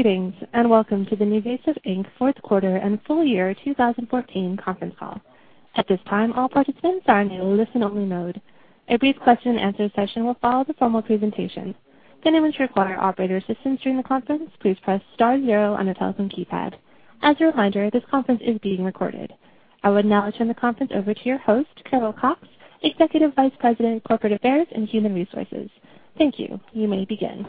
Greetings and welcome to the NuVasive Fourth Quarter and Full Year 2014 Conference Call. At this time, all participants are in a listen-only mode. A brief question-and-answer session will follow the formal presentation. For any eventual requirement of operator assistance during the conference, please press star zero on the telephone keypad. As a reminder, this conference is being recorded. I will now turn the conference over to your host, Carol Cox, Executive Vice President, Corporate Affairs and Human Resources. Thank you. You may begin.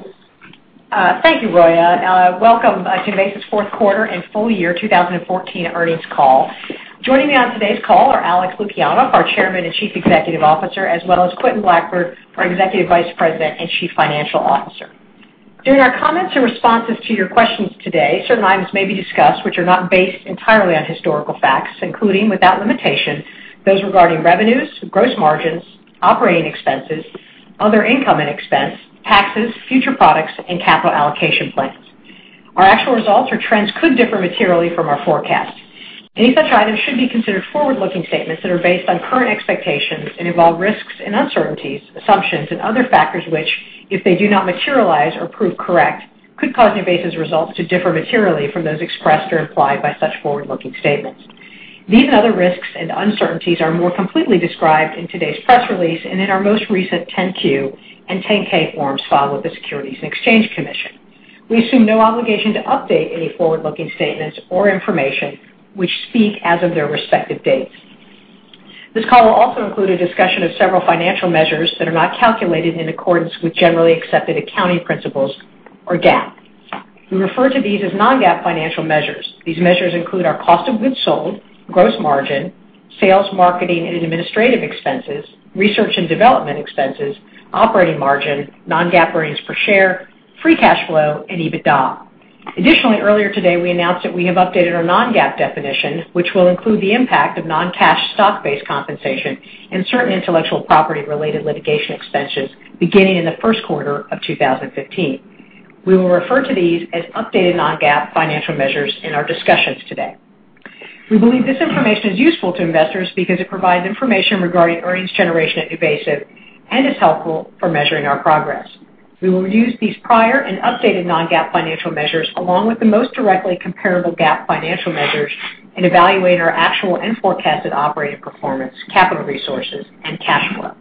Thank you, Roya. Welcome to NuVasive's fourth quarter and full year 2014 earnings call. Joining me on today's call are Alex Lukianov, our Chairman and Chief Executive Officer, as well as Quentin Blackford, our Executive Vice President and Chief Financial Officer. During our comments and responses to your questions today, certain items may be discussed which are not based entirely on historical facts, including, without limitation, those regarding revenues, gross margins, operating expenses, other income and expense, taxes, future products, and capital allocation plans. Our actual results or trends could differ materially from our forecast. Any such items should be considered forward-looking statements that are based on current expectations and involve risks and uncertainties, assumptions, and other factors which, if they do not materialize or prove correct, could cause NuVasive's results to differ materially from those expressed or implied by such forward-looking statements. These and other risks and uncertainties are more completely described in today's press release and in our most recent 10-Q and 10-K forms filed with the Securities and Exchange Commission. We assume no obligation to update any forward-looking statements or information which speak as of their respective dates. This call will also include a discussion of several financial measures that are not calculated in accordance with generally accepted accounting principles or GAAP. We refer to these as non-GAAP financial measures. These measures include our cost of goods sold, gross margin, sales, marketing, and administrative expenses, research and development expenses, operating margin, non-GAAP earnings per share, free cash flow, and EBITDA. Additionally, earlier today, we announced that we have updated our non-GAAP definition which will include the impact of non-cash stock-based compensation and certain intellectual property-related litigation extensions beginning in the first quarter of 2015. We will refer to these as updated non-GAAP financial measures in our discussions today. We believe this information is useful to investors because it provides information regarding earnings generation at NuVasive and is helpful for measuring our progress. We will use these prior and updated non-GAAP financial measures along with the most directly comparable GAAP financial measures and evaluate our actual and forecasted operating performance, capital resources, and cash flow.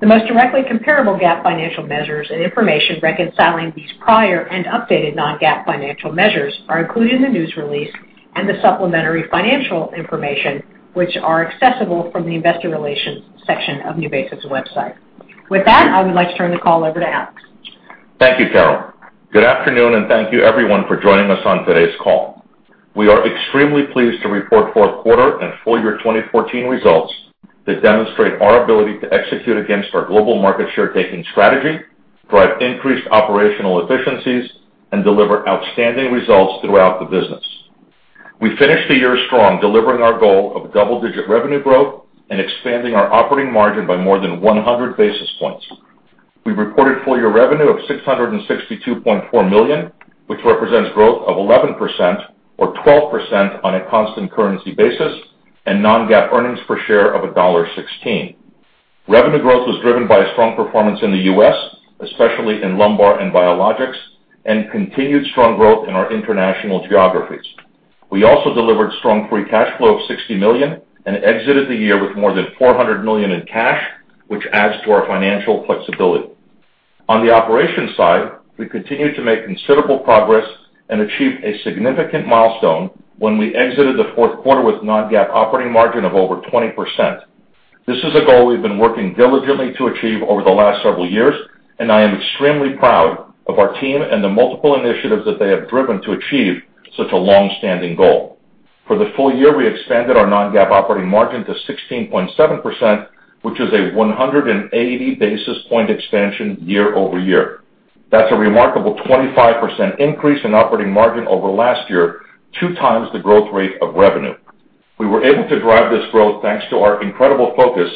The most directly comparable GAAP financial measures and information reconciling these prior and updated non-GAAP financial measures are included in the news release and the supplementary financial information which are accessible from the investor relations section of NuVasive's website. With that, I would like to turn the call over to Alex. Thank you, Carol. Good afternoon and thank you, everyone, for joining us on today's call. We are extremely pleased to report fourth quarter and full year 2014 results that demonstrate our ability to execute against our global market share taking strategy, drive increased operational efficiencies, and deliver outstanding results throughout the business. We finished the year strong, delivering our goal of double-digit revenue growth and expanding our operating margin by more than 100 basis points. We reported full year revenue of $662.4 million, which represents growth of 11% or 12% on a constant currency basis and non-GAAP earnings per share of $1.16. Revenue growth was driven by strong performance in the U.S., especially in lumbar and biologics, and continued strong growth in our international geographies. We also delivered strong free cash flow of $60 million and exited the year with more than $400 million in cash, which adds to our financial flexibility. On the operations side, we continued to make considerable progress and achieved a significant milestone when we exited the fourth quarter with non-GAAP operating margin of over 20%. This is a goal we've been working diligently to achieve over the last several years, and I am extremely proud of our team and the multiple initiatives that they have driven to achieve such a long-standing goal. For the full year, we expanded our non-GAAP operating margin to 16.7%, which is a 180 basis point expansion year-over-year. That's a remarkable 25% increase in operating margin over last year, two times the growth rate of revenue. We were able to drive this growth thanks to our incredible focus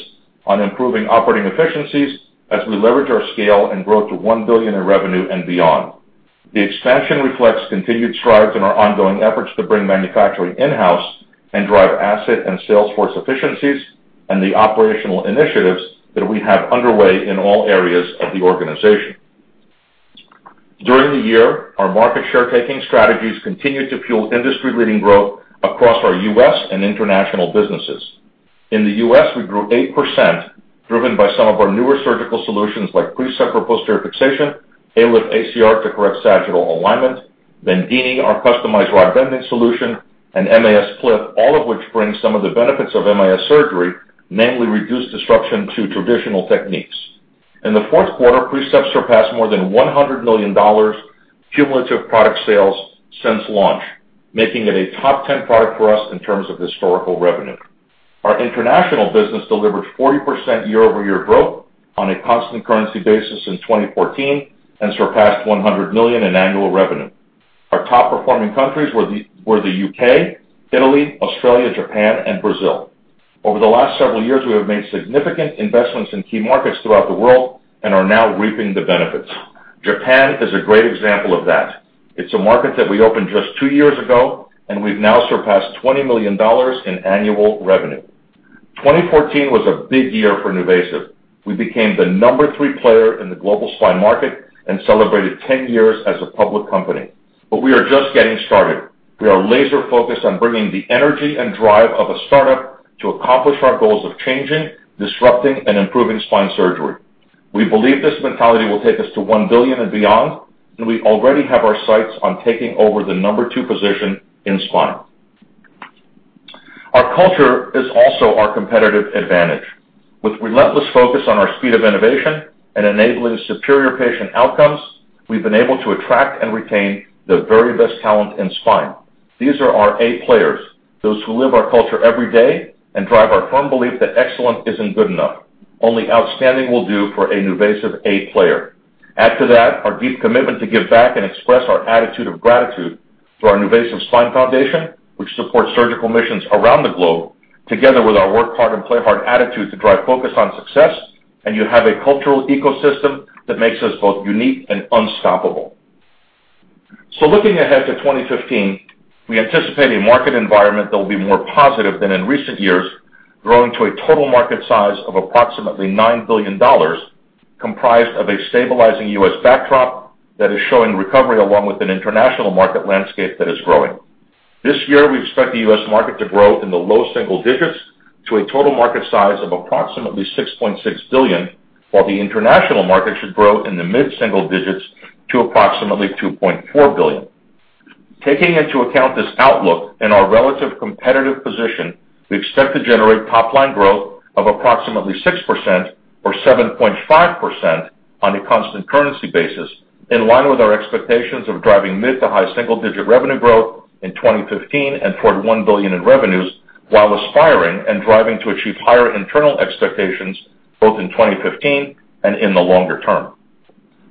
on improving operating efficiencies as we leverage our scale and grow to $1 billion in revenue and beyond. The expansion reflects continued strides in our ongoing efforts to bring manufacturing in-house and drive asset and sales force efficiencies and the operational initiatives that we have underway in all areas of the organization. During the year, our market share taking strategies continue to fuel industry-leading growth across our U.S. and international businesses. In the U.S., we grew 8%, driven by some of our newer surgical solutions like Precept posterior fixation, ALIF ACR to correct sagittal alignment, Bendini, our customized rod bending solution, and MAS PLIF, all of which bring some of the benefits of MAS surgery, namely reduced disruption to traditional techniques. In the fourth quarter, Precept surpassed more than $100 million cumulative product sales since launch, making it a top 10 product for us in terms of historical revenue. Our international business delivered 40% year-over-year growth on a constant currency basis in 2014 and surpassed $100 million in annual revenue. Our top performing countries were the U.K., Italy, Australia, Japan, and Brazil. Over the last several years, we have made significant investments in key markets throughout the world and are now reaping the benefits. Japan is a great example of that. It's a market that we opened just two years ago, and we've now surpassed $20 million in annual revenue. 2014 was a big year for NuVasive. We became the number three player in the global spine market and celebrated 10 years as a public company. We are just getting started. We are laser-focused on bringing the energy and drive of a startup to accomplish our goals of changing, disrupting, and improving spine surgery. We believe this mentality will take us to $1 billion and beyond, and we already have our sights on taking over the number two position in spine. Our culture is also our competitive advantage. With relentless focus on our speed of innovation and enabling superior patient outcomes, we've been able to attract and retain the very best talent in spine. These are our A players, those who live our culture every day and drive our firm belief that excellent isn't good enough. Only outstanding will do for a NuVasive A player. Add to that our deep commitment to give back and express our attitude of gratitude to our NuVasive Spine Foundation, which supports surgical missions around the globe, together with our work hard and play hard attitude to drive focus on success, and you have a cultural ecosystem that makes us both unique and unstoppable. Looking ahead to 2015, we anticipate a market environment that will be more positive than in recent years, growing to a total market size of approximately $9 billion, comprised of a stabilizing U.S. backdrop that is showing recovery along with an international market landscape that is growing. This year, we expect the U.S. market to grow in the low single digits to a total market size of approximately $6.6 billion, while the international market should grow in the mid single digits to approximately $2.4 billion. Taking into account this outlook and our relative competitive position, we expect to generate top-line growth of approximately 6% or 7.5% on a constant currency basis, in line with our expectations of driving mid to high single digit revenue growth in 2015 and $41 billion in revenues, while aspiring and driving to achieve higher internal expectations both in 2015 and in the longer term.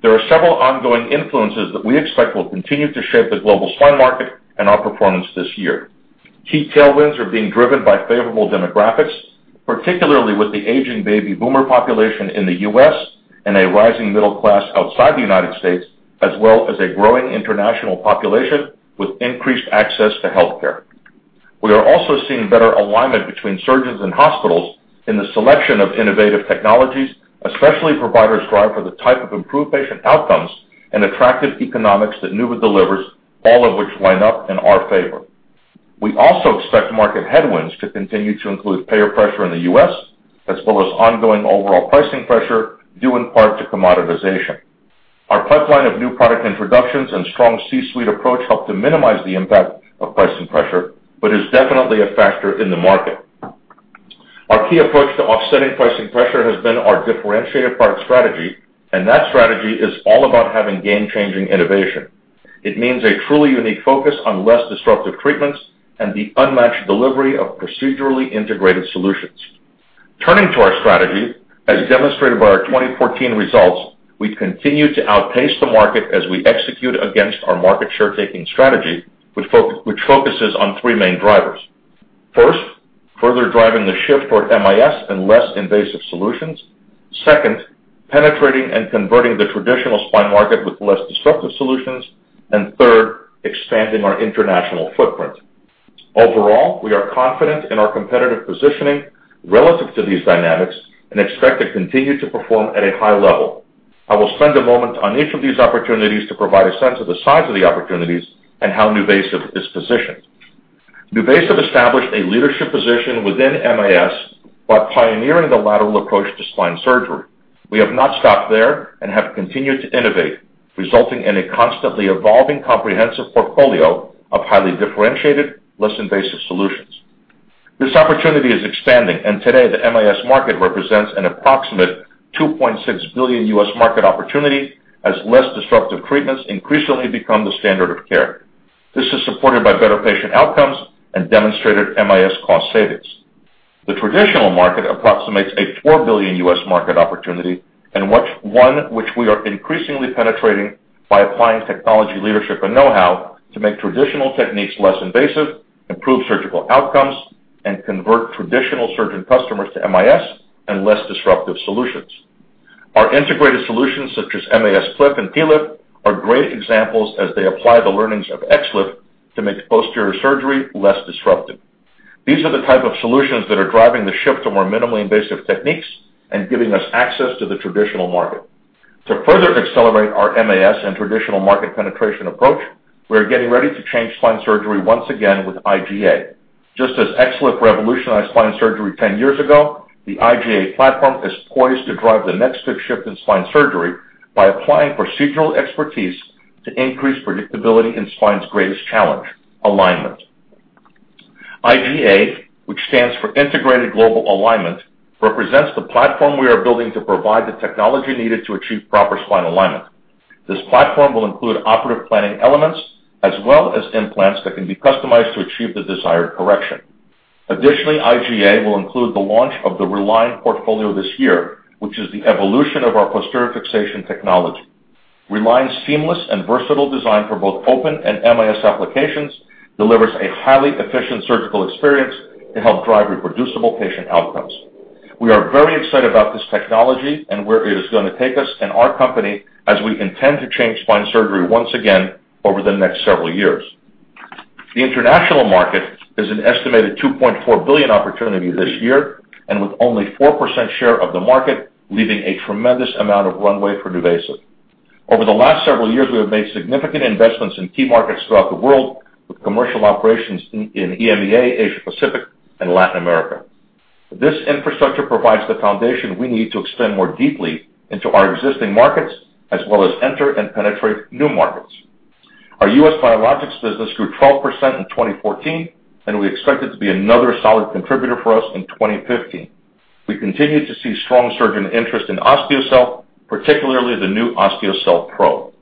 There are several ongoing influences that we expect will continue to shape the global spine market and our performance this year. Key tailwinds are being driven by favorable demographics, particularly with the aging baby boomer population in the U.S. and a rising middle class outside the United States, as well as a growing international population with increased access to healthcare. We are also seeing better alignment between surgeons and hospitals in the selection of innovative technologies, especially providers drive for the type of improved patient outcomes and attractive economics that NuVasive delivers, all of which line up in our favor. We also expect market headwinds to continue to include payer pressure in the U.S., as well as ongoing overall pricing pressure due in part to commoditization. Our pipeline of new product introductions and strong C-suite approach help to minimize the impact of pricing pressure, but is definitely a factor in the market. Our key approach to offsetting pricing pressure has been our differentiator product strategy, and that strategy is all about having game-changing innovation. It means a truly unique focus on less disruptive treatments and the unmatched delivery of procedurally integrated solutions. Turning to our strategy, as demonstrated by our 2014 results, we continue to outpace the market as we execute against our market share taking strategy, which focuses on three main drivers. First, further driving the shift toward MIS and less invasive solutions. Second, penetrating and converting the traditional spine market with less disruptive solutions. Third, expanding our international footprint. Overall, we are confident in our competitive positioning relative to these dynamics and expect to continue to perform at a high level. I will spend a moment on each of these opportunities to provide a sense of the size of the opportunities and how NuVasive is positioned. NuVasive established a leadership position within MIS by pioneering the lateral approach to spine surgery. We have not stopped there and have continued to innovate, resulting in a constantly evolving comprehensive portfolio of highly differentiated, less invasive solutions. This opportunity is expanding, and today, the MIS market represents an approximate $2.6 billion U.S. market opportunity as less disruptive treatments increasingly become the standard of care. This is supported by better patient outcomes and demonstrated MIS cost savings. The traditional market approximates a $4 billion U.S. market opportunity, one which we are increasingly penetrating by applying technology leadership and know-how to make traditional techniques less invasive, improve surgical outcomes, and convert traditional surgeon customers to MIS and less disruptive solutions. Our integrated solutions, such as MAS PLIF and TLIF, are great examples as they apply the learnings of XLIF to make posterior surgery less disruptive. These are the type of solutions that are driving the shift to more minimally invasive techniques and giving us access to the traditional market. To further accelerate our MIS and traditional market penetration approach, we are getting ready to change spine surgery once again with iGA. Just as XLIF revolutionized spine surgery 10 years ago, the iGA platform is poised to drive the next big shift in spine surgery by applying procedural expertise to increase predictability in spine's greatest challenge, alignment. iGA, which stands for Integrated Global Alignment, represents the platform we are building to provide the technology needed to achieve proper spine alignment. This platform will include operative planning elements as well as implants that can be customized to achieve the desired correction. Additionally, iGA will include the launch of the Reline portfolio this year, which is the evolution of our posterior fixation technology. Reline's seamless and versatile design for both open and MIS applications delivers a highly efficient surgical experience to help drive reproducible patient outcomes. We are very excited about this technology and where it is going to take us and our company as we intend to change spine surgery once again over the next several years. The international market is an estimated $2.4 billion opportunity this year, and with only 4% share of the market, leaving a tremendous amount of runway for NuVasive. Over the last several years, we have made significant investments in key markets throughout the world with commercial operations in EMEA, Asia-Pacific, and Latin America. This infrastructure provides the foundation we need to expand more deeply into our existing markets as well as enter and penetrate new markets. Our U.S. biologics business grew 12% in 2014, and we expect it to be another solid contributor for us in 2015. We continue to see strong surgeon interest in Osteocel, particularly the new Osteocel Pro.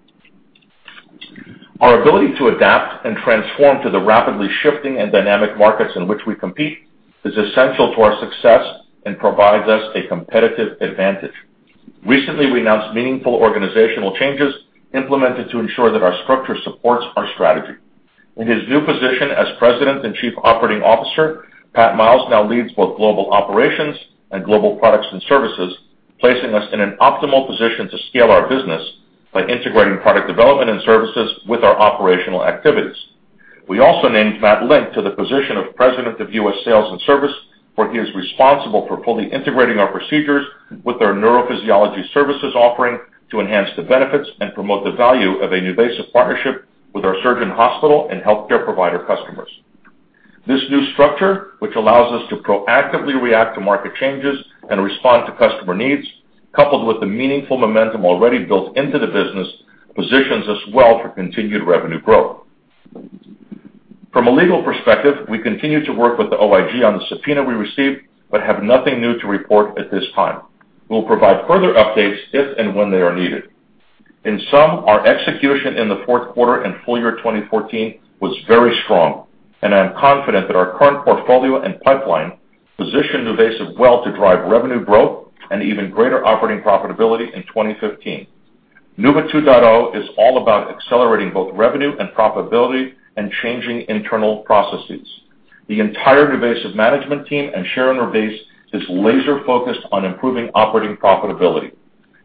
Our ability to adapt and transform to the rapidly shifting and dynamic markets in which we compete is essential to our success and provides us a competitive advantage. Recently, we announced meaningful organizational changes implemented to ensure that our structure supports our strategy. In his new position as President and Chief Operating Officer, Pat Miles now leads both global operations and global products and services, placing us in an optimal position to scale our business by integrating product development and services with our operational activities. We also named Matt Link to the position of President of U.S .Sales and Service, where he is responsible for fully integrating our procedures with our neurophysiology services offering to enhance the benefits and promote the value of a NuVasive partnership with our surgeon hospital and healthcare provider customers. This new structure, which allows us to proactively react to market changes and respond to customer needs, coupled with the meaningful momentum already built into the business, positions us well for continued revenue growth. From a legal perspective, we continue to work with the OIG on the subpoena we received, but have nothing new to report at this time. We will provide further updates if and when they are needed. In sum, our execution in the fourth quarter and full year 2014 was very strong, and I am confident that our current portfolio and pipeline position NuVasive well to drive revenue growth and even greater operating profitability in 2015. NuVa 2.0 is all about accelerating both revenue and profitability and changing internal processes. The entire NuVasive management team and share in our base is laser-focused on improving operating profitability.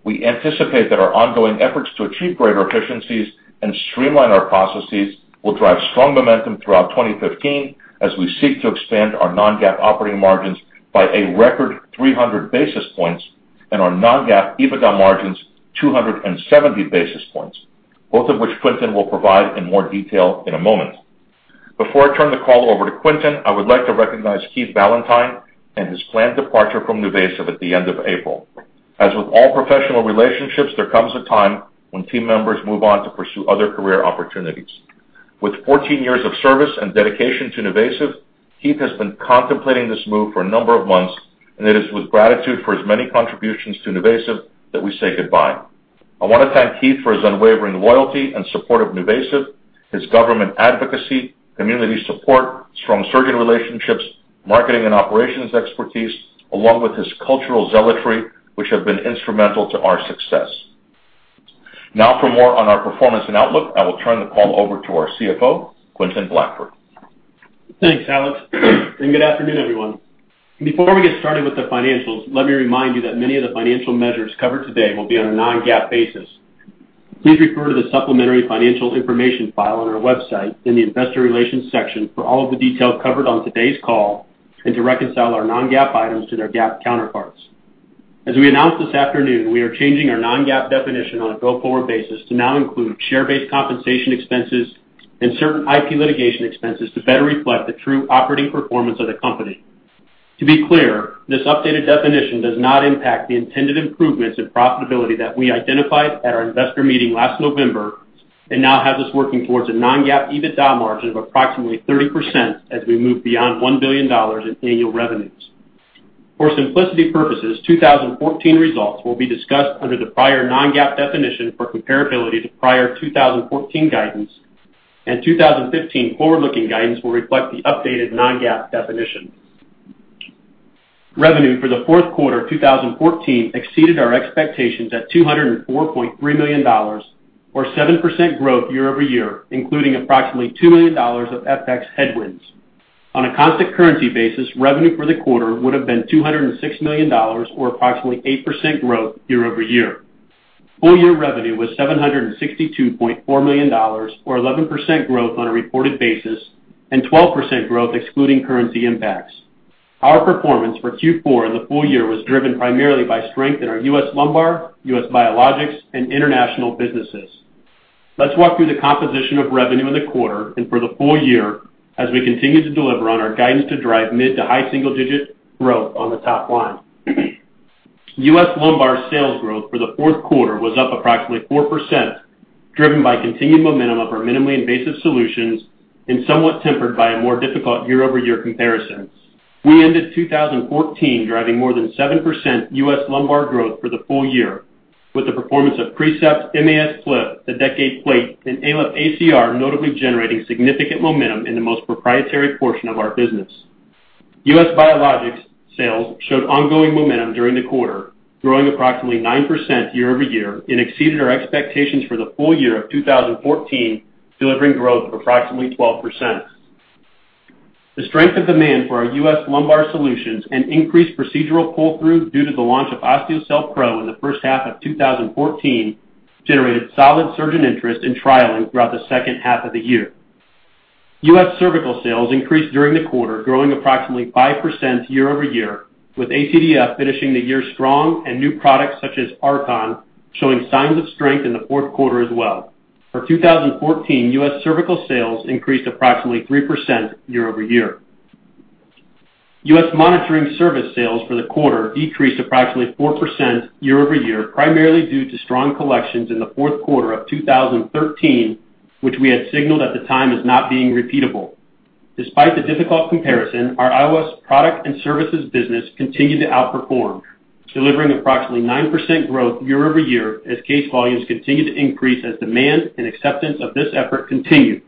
We anticipate that our ongoing efforts to achieve greater efficiencies and streamline our processes will drive strong momentum throughout 2015 as we seek to expand our non-GAAP operating margins by a record 300 basis points and our non-GAAP EBITDA margins 270 basis points, both of which Quentin will provide in more detail in a moment. Before I turn the call over to Quentin, I would like to recognize Keith Valentine and his planned departure from NuVasive at the end of April. As with all professional relationships, there comes a time when team members move on to pursue other career opportunities. With 14 years of service and dedication to NuVasive, Keith has been contemplating this move for a number of months, and it is with gratitude for his many contributions to NuVasive that we say goodbye. I want to thank Keith for his unwavering loyalty and support of NuVasive, his government advocacy, community support, strong surgeon relationships, marketing and operations expertise, along with his cultural zealotry, which have been instrumental to our success. Now, for more on our performance and outlook, I will turn the call over to our CFO, Quentin Blackford. Thanks, Alex. Good afternoon, everyone. Before we get started with the financials, let me remind you that many of the financial measures covered today will be on a non-GAAP basis. Please refer to the supplementary financial information file on our website in the investor relations section for all of the details covered on today's call and to reconcile our non-GAAP items to their GAAP counterparts. As we announced this afternoon, we are changing our non-GAAP definition on a go-forward basis to now include share-based compensation expenses and certain IP litigation expenses to better reflect the true operating performance of the company. To be clear, this updated definition does not impact the intended improvements in profitability that we identified at our investor meeting last November and now has us working towards a non-GAAP EBITDA margin of approximately 30% as we move beyond $1 billion in annual revenues. For simplicity purposes, 2014 results will be discussed under the prior non-GAAP definition for comparability to prior 2014 guidance, and 2015 forward-looking guidance will reflect the updated non-GAAP definition. Revenue for the fourth quarter of 2014 exceeded our expectations at $204.3 million, or 7% growth year-over-year, including approximately $2 million of FX headwinds. On a constant currency basis, revenue for the quarter would have been $206 million, or approximately 8% growth year-over-year. Full year revenue was $762.4 million, or 11% growth on a reported basis and 12% growth excluding currency impacts. Our performance for Q4 in the full year was driven primarily by strength in our U.S. lumbar, U.S. biologics, and international businesses. Let's walk through the composition of revenue in the quarter and for the full year as we continue to deliver on our guidance to drive mid to high single digit growth on the top line. U.S. lumbar sales growth for the fourth quarter was up approximately 4%, driven by continued momentum of our minimally invasive solutions and somewhat tempered by a more difficult year-over-year comparison. We ended 2014 driving more than 7% U.S. lumbar growth for the full year, with the performance of Precept, MAS PLIF, the Decade Plate, and ALIF ACR notably generating significant momentum in the most proprietary portion of our business. U.S. biologics sales showed ongoing momentum during the quarter, growing approximately 9% year-over-year and exceeded our expectations for the full year of 2014, delivering growth of approximately 12%. The strength of demand for our U.S. lumbar solutions and increased procedural pull-through due to the launch of Osteocel Pro in the first half of 2014 generated solid surgeon interest in trialing throughout the second half of the year. U.S. cervical sales increased during the quarter, growing approximately 5% year-over-year, with ACDF finishing the year strong and new products such as Archon showing signs of strength in the fourth quarter as well. For 2014, U.S. cervical sales increased approximately 3% year-over-year. U.S. monitoring service sales for the quarter decreased approximately 4% year-over-year, primarily due to strong collections in the fourth quarter of 2013, which we had signaled at the time as not being repeatable. Despite the difficult comparison, our IOS product and services business continued to outperform, delivering approximately 9% growth year-over-year as case volumes continued to increase as demand and acceptance of this effort continued,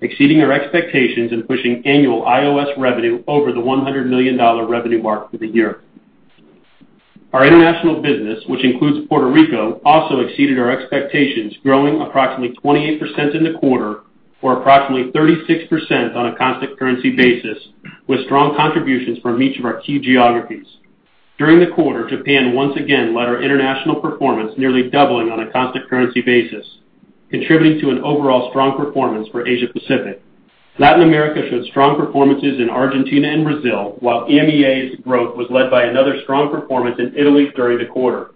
exceeding our expectations and pushing annual IOS revenue over the $100 million revenue mark for the year. Our international business, which includes Puerto Rico, also exceeded our expectations, growing approximately 28% in the quarter or approximately 36% on a constant currency basis, with strong contributions from each of our key geographies. During the quarter, Japan once again led our international performance, nearly doubling on a constant currency basis, contributing to an overall strong performance for Asia-Pacific. Latin America showed strong performances in Argentina and Brazil, while EMEA's growth was led by another strong performance in Italy during the quarter.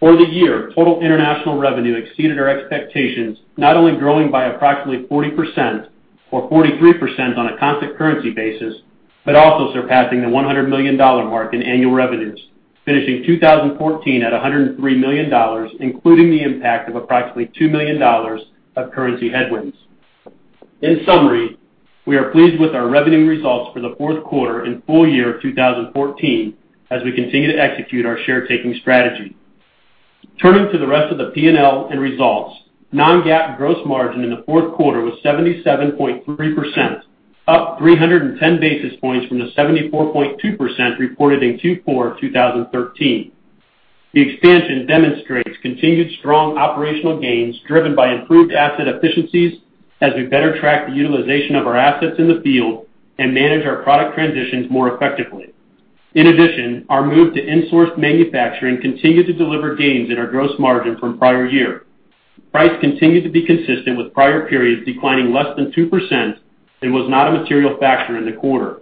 For the year, total international revenue exceeded our expectations, not only growing by approximately 40% or 43% on a constant currency basis, but also surpassing the $100 million mark in annual revenues, finishing 2014 at $103 million, including the impact of approximately $2 million of currency headwinds. In summary, we are pleased with our revenue results for the fourth quarter and full year 2014 as we continue to execute our share-taking strategy. Turning to the rest of the P&L and results, non-GAAP gross margin in the fourth quarter was 77.3%, up 310 basis points from the 74.2% reported in Q4 of 2013. The expansion demonstrates continued strong operational gains driven by improved asset efficiencies as we better track the utilization of our assets in the field and manage our product transitions more effectively. In addition, our move to insourced manufacturing continued to deliver gains in our gross margin from prior year. Price continued to be consistent with prior periods, declining less than 2%, and was not a material factor in the quarter.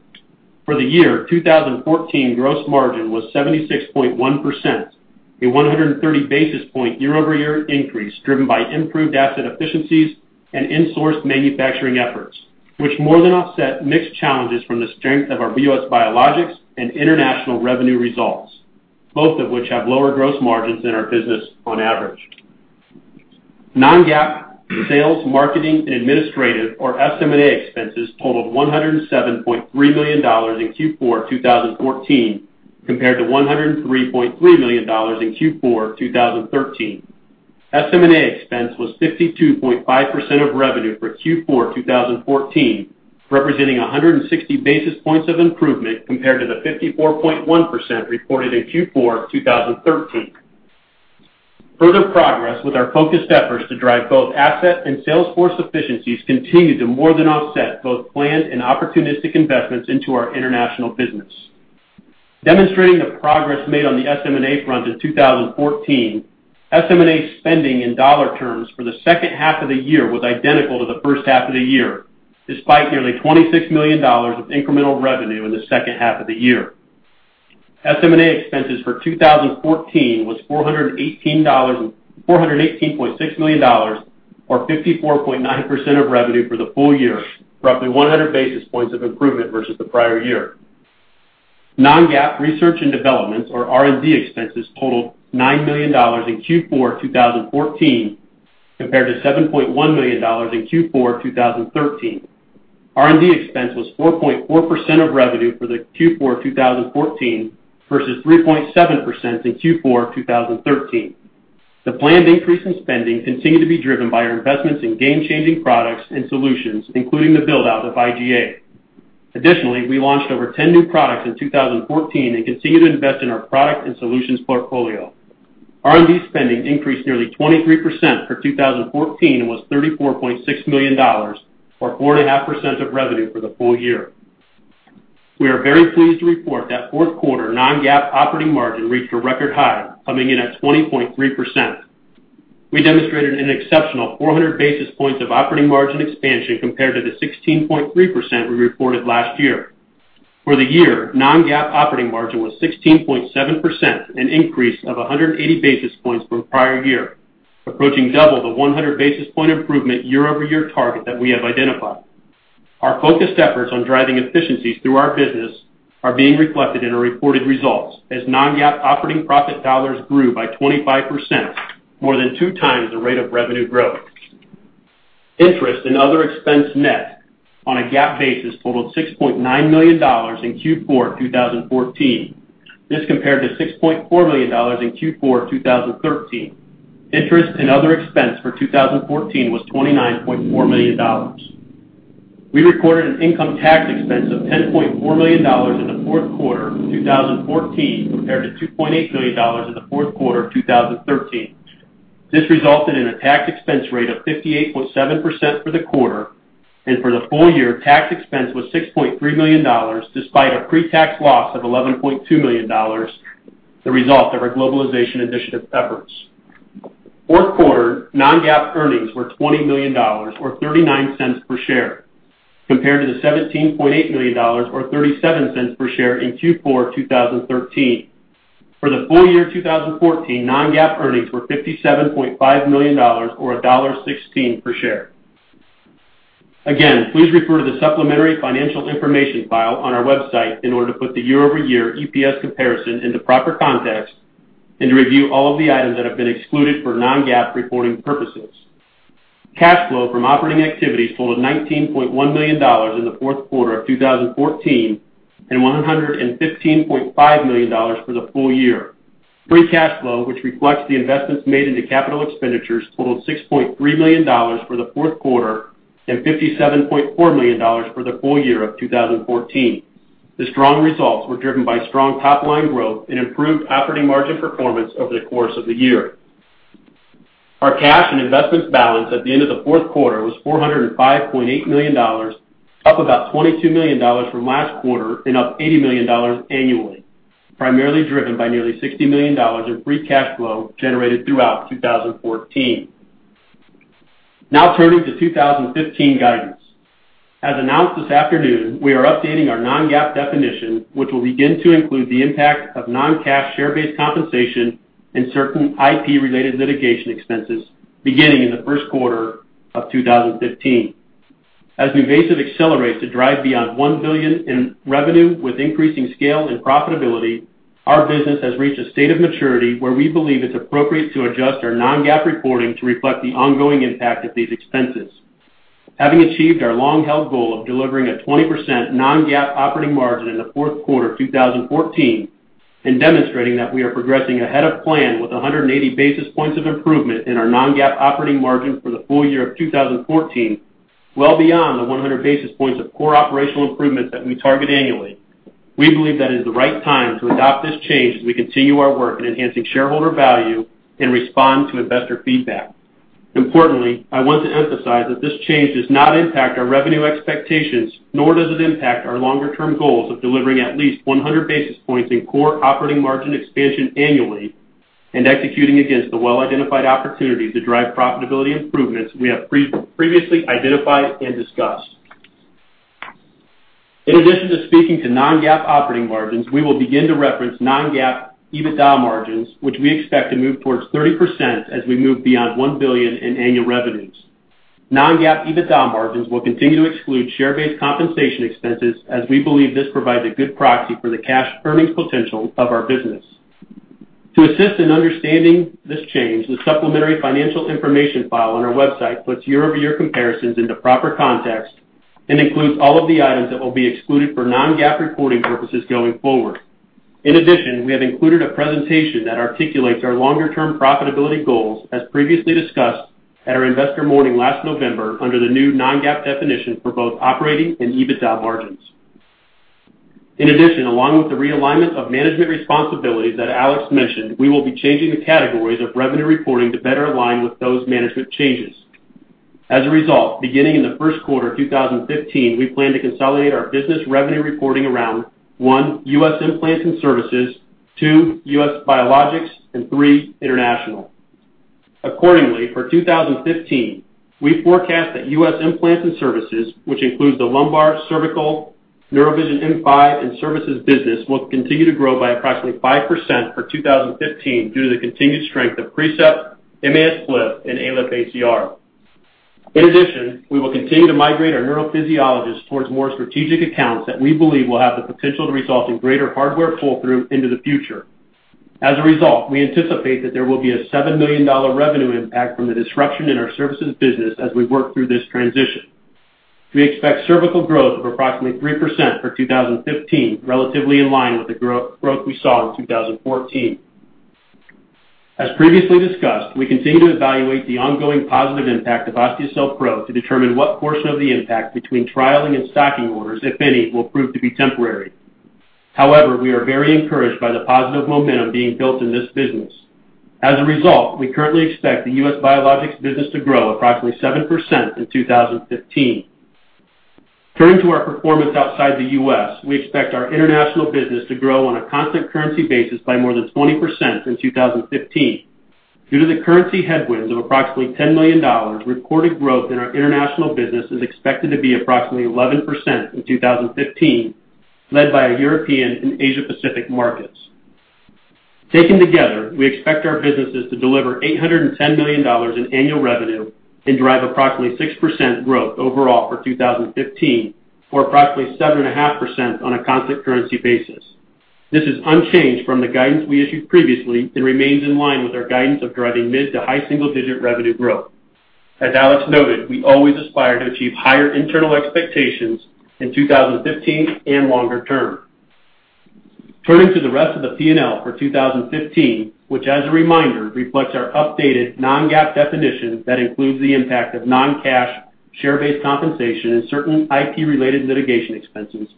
For the year, 2014 gross margin was 76.1%, a 130 basis point year-over-year increase driven by improved asset efficiencies and insourced manufacturing efforts, which more than offset mixed challenges from the strength of our U.S. biologics and international revenue results, both of which have lower gross margins than our business on average. Non-GAAP sales, marketing, and administrative, or SM&A expenses totaled $107.3 million in Q4 2014 compared to $103.3 million in Q4 2013. SM&A expense was 52.5% of revenue for Q4 2014, representing 160 basis points of improvement compared to the 54.1% reported in Q4 2013. Further progress with our focused efforts to drive both asset and sales force efficiencies continued to more than offset both planned and opportunistic investments into our international business. Demonstrating the progress made on the SM&A front in 2014, SM&A spending in dollar terms for the second half of the year was identical to the first half of the year, despite nearly $26 million of incremental revenue in the second half of the year. SM&A expenses for 2014 was $418.6 million, or 54.9% of revenue for the full year, roughly 100 basis points of improvement versus the prior year. Non-GAAP research and developments, or R&D expenses, totaled $9 million in Q4 2014 compared to $7.1 million in Q4 2013. R&D expense was 4.4% of revenue for the Q4 2014 versus 3.7% in Q4 2013. The planned increase in spending continued to be driven by our investments in game-changing products and solutions, including the build-out of iGA. Additionally, we launched over 10 new products in 2014 and continued to invest in our product and solutions portfolio. R&D spending increased nearly 23% for 2014 and was $34.6 million, or 4.5% of revenue for the full year. We are very pleased to report that fourth quarter non-GAAP operating margin reached a record high, coming in at 20.3%. We demonstrated an exceptional 400 basis points of operating margin expansion compared to the 16.3% we reported last year. For the year, non-GAAP operating margin was 16.7%, an increase of 180 basis points from prior year, approaching double the 100 basis point improvement year-over-year target that we have identified. Our focused efforts on driving efficiencies through our business are being reflected in our reported results as non-GAAP operating profit dollars grew by 25%, more than two times the rate of revenue growth. Interest and other expense net on a GAAP basis totaled $6.9 million in Q4 2014. This compared to $6.4 million in Q4 2013. Interest and other expense for 2014 was $29.4 million. We recorded an income tax expense of $10.4 million in the fourth quarter of 2014 compared to $2.8 million in the fourth quarter of 2013. This resulted in a tax expense rate of 58.7% for the quarter, and for the full year, tax expense was $6.3 million despite a pre-tax loss of $11.2 million, the result of our globalization initiative efforts. Fourth quarter non-GAAP earnings were $20 million, or $0.39 per share, compared to the $17.8 million, or $0.37 per share in Q4 2013. For the full year 2014, non-GAAP earnings were $57.5 million, or $1.16 per share. Again, please refer to the supplementary financial information file on our website in order to put the year-over-year EPS comparison into proper context and to review all of the items that have been excluded for non-GAAP reporting purposes. Cash flow from operating activities totaled $19.1 million in the fourth quarter of 2014 and $115.5 million for the full year. Free cash flow, which reflects the investments made into capital expenditures, totaled $6.3 million for the fourth quarter and $57.4 million for the full year of 2014. The strong results were driven by strong top-line growth and improved operating margin performance over the course of the year. Our cash and investments balance at the end of the fourth quarter was $405.8 million, up about $22 million from last quarter and up $80 million annually, primarily driven by nearly $60 million in free cash flow generated throughout 2014. Now turning to 2015 guidance. As announced this afternoon, we are updating our non-GAAP definition, which will begin to include the impact of non-cash share-based compensation and certain IP-related litigation expenses beginning in the first quarter of 2015. As NuVasive accelerates to drive beyond $1 billion in revenue with increasing scale and profitability, our business has reached a state of maturity where we believe it's appropriate to adjust our non-GAAP reporting to reflect the ongoing impact of these expenses. Having achieved our long-held goal of delivering a 20% non-GAAP operating margin in the fourth quarter of 2014 and demonstrating that we are progressing ahead of plan with 180 basis points of improvement in our non-GAAP operating margin for the full year of 2014, well beyond the 100 basis points of core operational improvements that we target annually, we believe that is the right time to adopt this change as we continue our work in enhancing shareholder value and respond to investor feedback. Importantly, I want to emphasize that this change does not impact our revenue expectations, nor does it impact our longer-term goals of delivering at least 100 basis points in core operating margin expansion annually and executing against the well-identified opportunities to drive profitability improvements we have previously identified and discussed. In addition to speaking to non-GAAP operating margins, we will begin to reference non-GAAP EBITDA margins, which we expect to move towards 30% as we move beyond $1 billion in annual revenues. Non-GAAP EBITDA margins will continue to exclude share-based compensation expenses as we believe this provides a good proxy for the cash earnings potential of our business. To assist in understanding this change, the supplementary financial information file on our website puts year-over-year comparisons into proper context and includes all of the items that will be excluded for non-GAAP reporting purposes going forward. In addition, we have included a presentation that articulates our longer-term profitability goals, as previously discussed at our investor morning last November under the new non-GAAP definition for both operating and EBITDA margins. In addition, along with the realignment of management responsibilities that Alex mentioned, we will be changing the categories of revenue reporting to better align with those management changes. As a result, beginning in the first quarter of 2015, we plan to consolidate our business revenue reporting around: one, U.S. Implants and Services, two, U.S. Biologics, and three, International. Accordingly, for 2015, we forecast that U.S. Implants and Services, which includes the lumbar, cervical, NeuroVision M5, and Services business, will continue to grow by approximately 5% for 2015 due to the continued strength of Precept, MAS PLIF, and ALIF ACR. In addition, we will continue to migrate our neurophysiologists towards more strategic accounts that we believe will have the potential to result in greater hardware pull-through into the future. As a result, we anticipate that there will be a $7 million revenue impact from the disruption in our services business as we work through this transition. We expect cervical growth of approximately 3% for 2015, relatively in line with the growth we saw in 2014. As previously discussed, we continue to evaluate the ongoing positive impact of Osteocel Pro to determine what portion of the impact between trialing and stocking orders, if any, will prove to be temporary. However, we are very encouraged by the positive momentum being built in this business. As a result, we currently expect the U.S. biologics business to grow approximately 7% in 2015. Turning to our performance outside the U.S., we expect our international business to grow on a constant currency basis by more than 20% in 2015. Due to the currency headwinds of approximately $10 million, reported growth in our international business is expected to be approximately 11% in 2015, led by European and Asia-Pacific markets. Taken together, we expect our businesses to deliver $810 million in annual revenue and drive approximately 6% growth overall for 2015, or approximately 7.5% on a constant currency basis. This is unchanged from the guidance we issued previously and remains in line with our guidance of driving mid to high single-digit revenue growth. As Alex noted, we always aspire to achieve higher internal expectations in 2015 and longer term. Turning to the rest of the P&L for 2015, which, as a reminder, reflects our updated non-GAAP definition that includes the impact of non-cash share-based compensation and certain IP-related litigation expenses,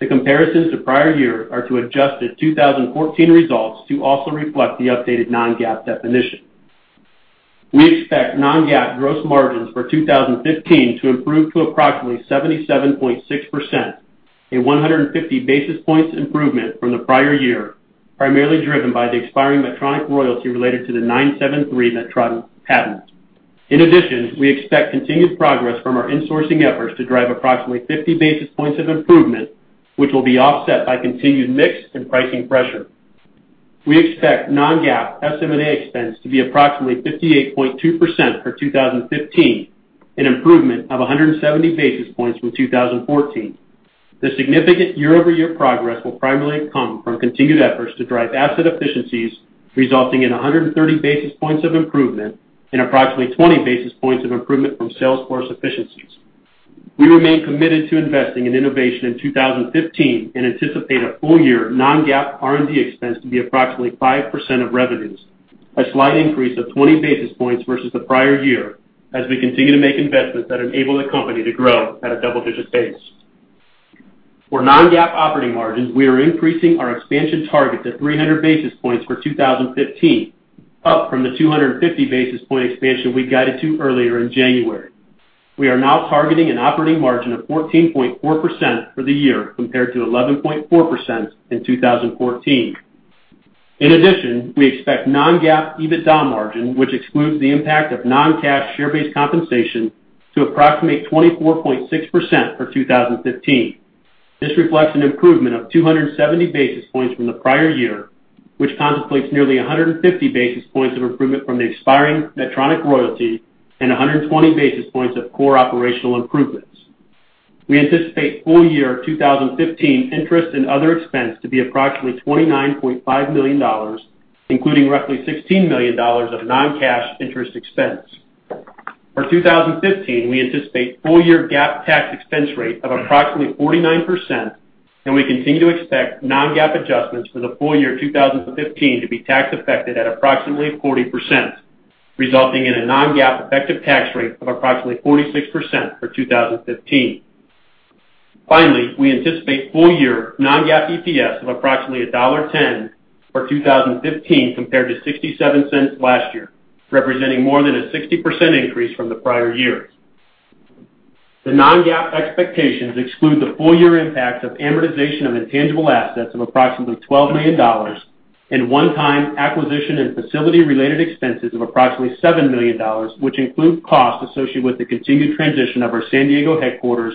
the comparisons to prior year are to adjust the 2014 results to also reflect the updated non-GAAP definition. We expect non-GAAP gross margins for 2015 to improve to approximately 77.6%, a 150 basis points improvement from the prior year, primarily driven by the expiring Medtronic royalty related to the 973 Medtronic patent. In addition, we expect continued progress from our insourcing efforts to drive approximately 50 basis points of improvement, which will be offset by continued mix and pricing pressure. We expect non-GAAP SM&A expense to be approximately 58.2% for 2015, an improvement of 170 basis points from 2014. The significant year-over-year progress will primarily come from continued efforts to drive asset efficiencies, resulting in 130 basis points of improvement and approximately 20 basis points of improvement from sales force efficiencies. We remain committed to investing in innovation in 2015 and anticipate a full year non-GAAP R&D expense to be approximately 5% of revenues, a slight increase of 20 basis points versus the prior year, as we continue to make investments that enable the company to grow at a double-digit pace. For non-GAAP operating margins, we are increasing our expansion target to 300 basis points for 2015, up from the 250 basis point expansion we guided to earlier in January. We are now targeting an operating margin of 14.4% for the year compared to 11.4% in 2014. In addition, we expect non-GAAP EBITDA margin, which excludes the impact of non-cash share-based compensation, to approximate 24.6% for 2015. This reflects an improvement of 270 basis points from the prior year, which contemplates nearly 150 basis points of improvement from the expiring Medtronic royalty and 120 basis points of core operational improvements. We anticipate full year 2015 interest and other expense to be approximately $29.5 million, including roughly $16 million of non-cash interest expense. For 2015, we anticipate full year GAAP tax expense rate of approximately 49%, and we continue to expect non-GAAP adjustments for the full year 2015 to be tax-affected at approximately 40%, resulting in a non-GAAP effective tax rate of approximately 46% for 2015. Finally, we anticipate full year non-GAAP EPS of approximately $1.10 for 2015 compared to $0.67 last year, representing more than a 60% increase from the prior year. The non-GAAP expectations exclude the full year impacts of amortization of intangible assets of approximately $12 million and one-time acquisition and facility-related expenses of approximately $7 million, which include costs associated with the continued transition of our San Diego headquarters,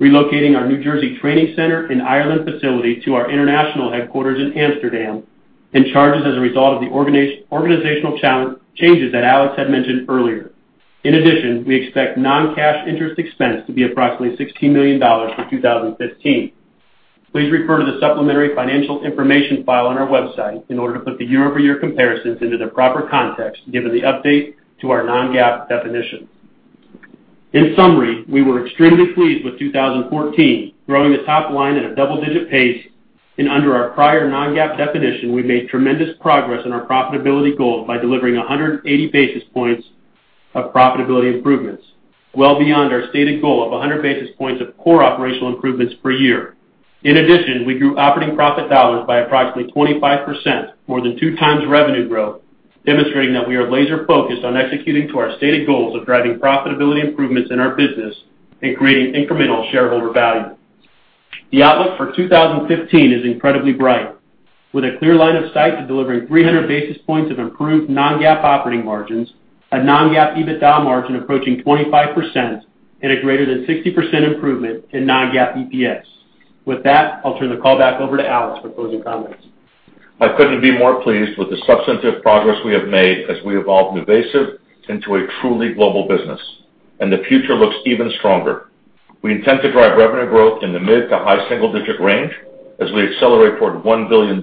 relocating our New Jersey training center and Ireland facility to our international headquarters in Amsterdam, and charges as a result of the organizational changes that Alex had mentioned earlier. In addition, we expect non-cash interest expense to be approximately $16 million for 2015. Please refer to the supplementary financial information file on our website in order to put the year-over-year comparisons into proper context given the update to our non-GAAP definition. In summary, we were extremely pleased with 2014, growing the top line at a double-digit pace, and under our prior non-GAAP definition, we made tremendous progress in our profitability goals by delivering 180 basis points of profitability improvements, well beyond our stated goal of 100 basis points of core operational improvements per year. In addition, we grew operating profit dollars by approximately 25%, more than two times revenue growth, demonstrating that we are laser-focused on executing to our stated goals of driving profitability improvements in our business and creating incremental shareholder value. The outlook for 2015 is incredibly bright, with a clear line of sight to delivering 300 basis points of improved non-GAAP operating margins, a non-GAAP EBITDA margin approaching 25%, and a greater than 60% improvement in non-GAAP EPS. With that, I'll turn the call back over to Alex for closing comments. I couldn't be more pleased with the substantive progress we have made as we evolve NuVasive into a truly global business, and the future looks even stronger. We intend to drive revenue growth in the mid to high single-digit range as we accelerate toward $1 billion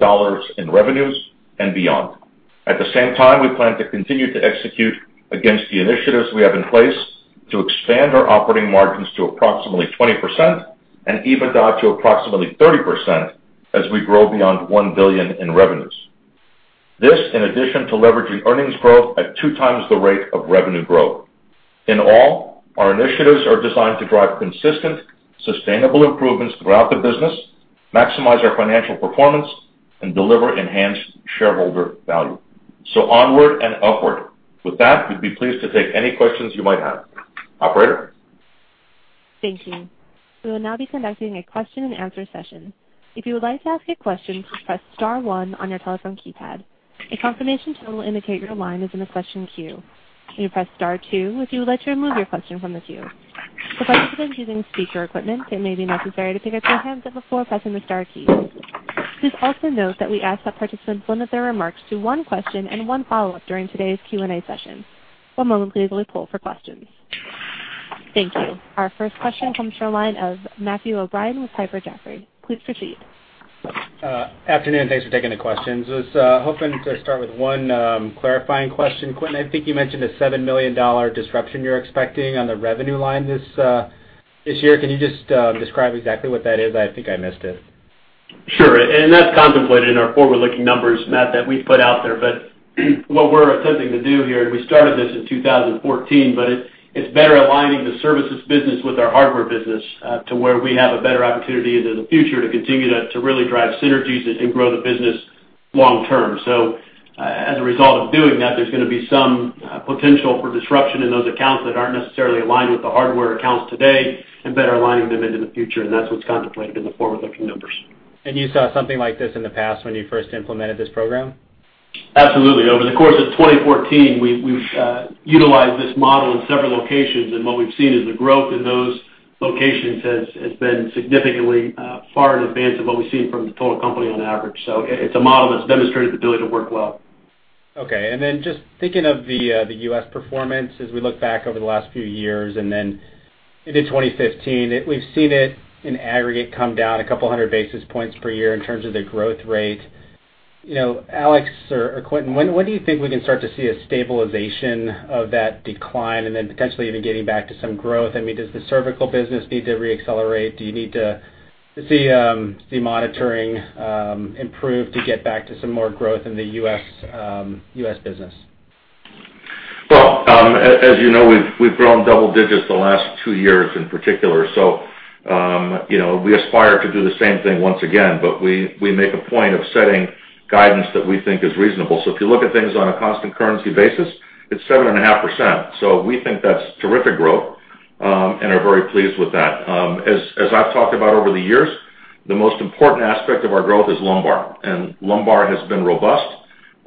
in revenues and beyond. At the same time, we plan to continue to execute against the initiatives we have in place to expand our operating margins to approximately 20% and EBITDA to approximately 30% as we grow beyond $1 billion in revenues. This, in addition to leveraging earnings growth at two times the rate of revenue growth. In all, our initiatives are designed to drive consistent, sustainable improvements throughout the business, maximize our financial performance, and deliver enhanced shareholder value. Onward and upward. With that, we'd be pleased to take any questions you might have. Operator? Thank you. We will now be conducting a question-and-answer session. If you would like to ask a question, please press star one on your telephone keypad. A confirmation tool will indicate your line is in the question queue. You can press star two if you would like to remove your question from the queue. For participants using speaker equipment, it may be necessary to pick up your handset before pressing the star key. Please also note that we ask that participants limit their remarks to one question and one follow-up during today's Q&A session. One moment, please, while we pull for questions. Thank you. Our first question comes from a line of Matthew O'Brien with Piper Jaffray. Please proceed. Afternoon. Thanks for taking the questions. I was hoping to start with one clarifying question. Quentin, I think you mentioned a $7 million disruption you're expecting on the revenue line this year. Can you just describe exactly what that is? I think I missed it. Sure. That's contemplated in our forward-looking numbers, Matt, that we put out there. What we're attempting to do here, and we started this in 2014, is better aligning the services business with our hardware business to where we have a better opportunity into the future to continue to really drive synergies and grow the business long-term. As a result of doing that, there's going to be some potential for disruption in those accounts that aren't necessarily aligned with the hardware accounts today and better aligning them into the future. That's what's contemplated in the forward-looking numbers. You saw something like this in the past when you first implemented this program? Absolutely. Over the course of 2014, we've utilized this model in several locations, and what we've seen is the growth in those locations has been significantly far in advance of what we've seen from the total company on average. It is a model that's demonstrated the ability to work well. Okay. And then just thinking of the U.S. performance as we look back over the last few years and then into 2015, we've seen it in aggregate come down a couple hundred basis points per year in terms of the growth rate. Alex or Quentin, when do you think we can start to see a stabilization of that decline and then potentially even getting back to some growth? I mean, does the cervical business need to reaccelerate? Do you need to see monitoring improve to get back to some more growth in the U.S. business? As you know, we've grown double digits the last two years in particular. We aspire to do the same thing once again, but we make a point of setting guidance that we think is reasonable. If you look at things on a constant currency basis, it's 7.5%. We think that's terrific growth and are very pleased with that. As I've talked about over the years, the most important aspect of our growth is lumbar, and lumbar has been robust.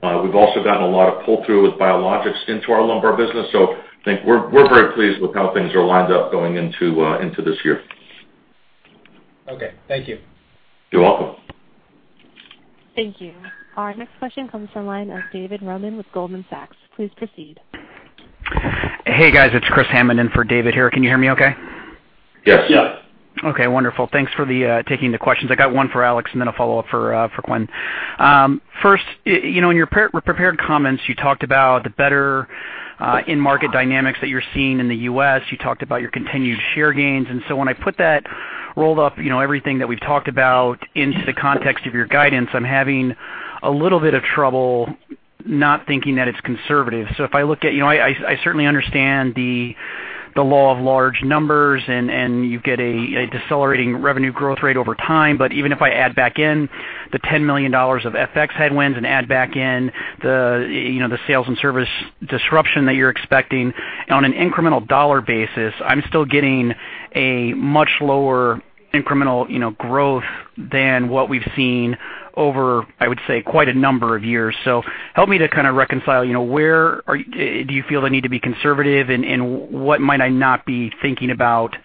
We've also gotten a lot of pull-through with biologics into our lumbar business. I think we're very pleased with how things are lined up going into this year. Okay. Thank you. You're welcome. Thank you. Our next question comes from a line of David Roman with Goldman Sachs. Please proceed. Hey, guys. It's Chris Hammond in for David here. Can you hear me okay? Yes. Yeah. Okay. Wonderful. Thanks for taking the questions. I got one for Alex, and then I'll follow up for Quentin. First, in your prepared comments, you talked about the better in-market dynamics that you're seeing in the U.S. You talked about your continued share gains. When I put that rolled up, everything that we've talked about into the context of your guidance, I'm having a little bit of trouble not thinking that it's conservative. If I look at I certainly understand the law of large numbers, and you get a decelerating revenue growth rate over time. Even if I add back in the $10 million of FX headwinds and add back in the sales and service disruption that you're expecting, on an incremental dollar basis, I'm still getting a much lower incremental growth than what we've seen over, I would say, quite a number of years. Help me to kind of reconcile. Where do you feel I need to be conservative, and what might I not be thinking about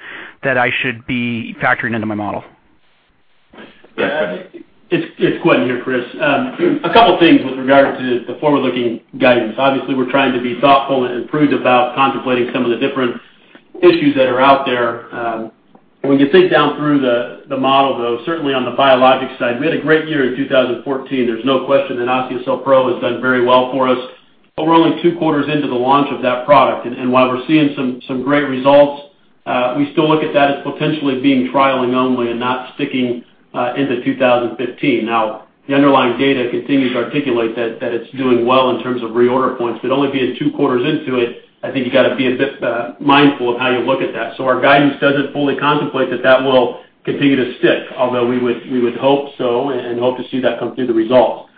that I should be factoring into my model? Yes, Quentin here, Chris. A couple of things with regard to the forward-looking guidance. Obviously, we're trying to be thoughtful and prudent about contemplating some of the different issues that are out there. When you think down through the model, though, certainly on the Biologics side, we had a great year in 2014. There's no question that Osteocel Pro has done very well for us. We're only two quarters into the launch of that product. While we're seeing some great results, we still look at that as potentially being trialing only and not sticking into 2015. The underlying data continues to articulate that it's doing well in terms of reorder points. Only being two quarters into it, I think you've got to be a bit mindful of how you look at that. Our guidance doesn't fully contemplate that that will continue to stick, although we would hope so and hope to see that come through the results.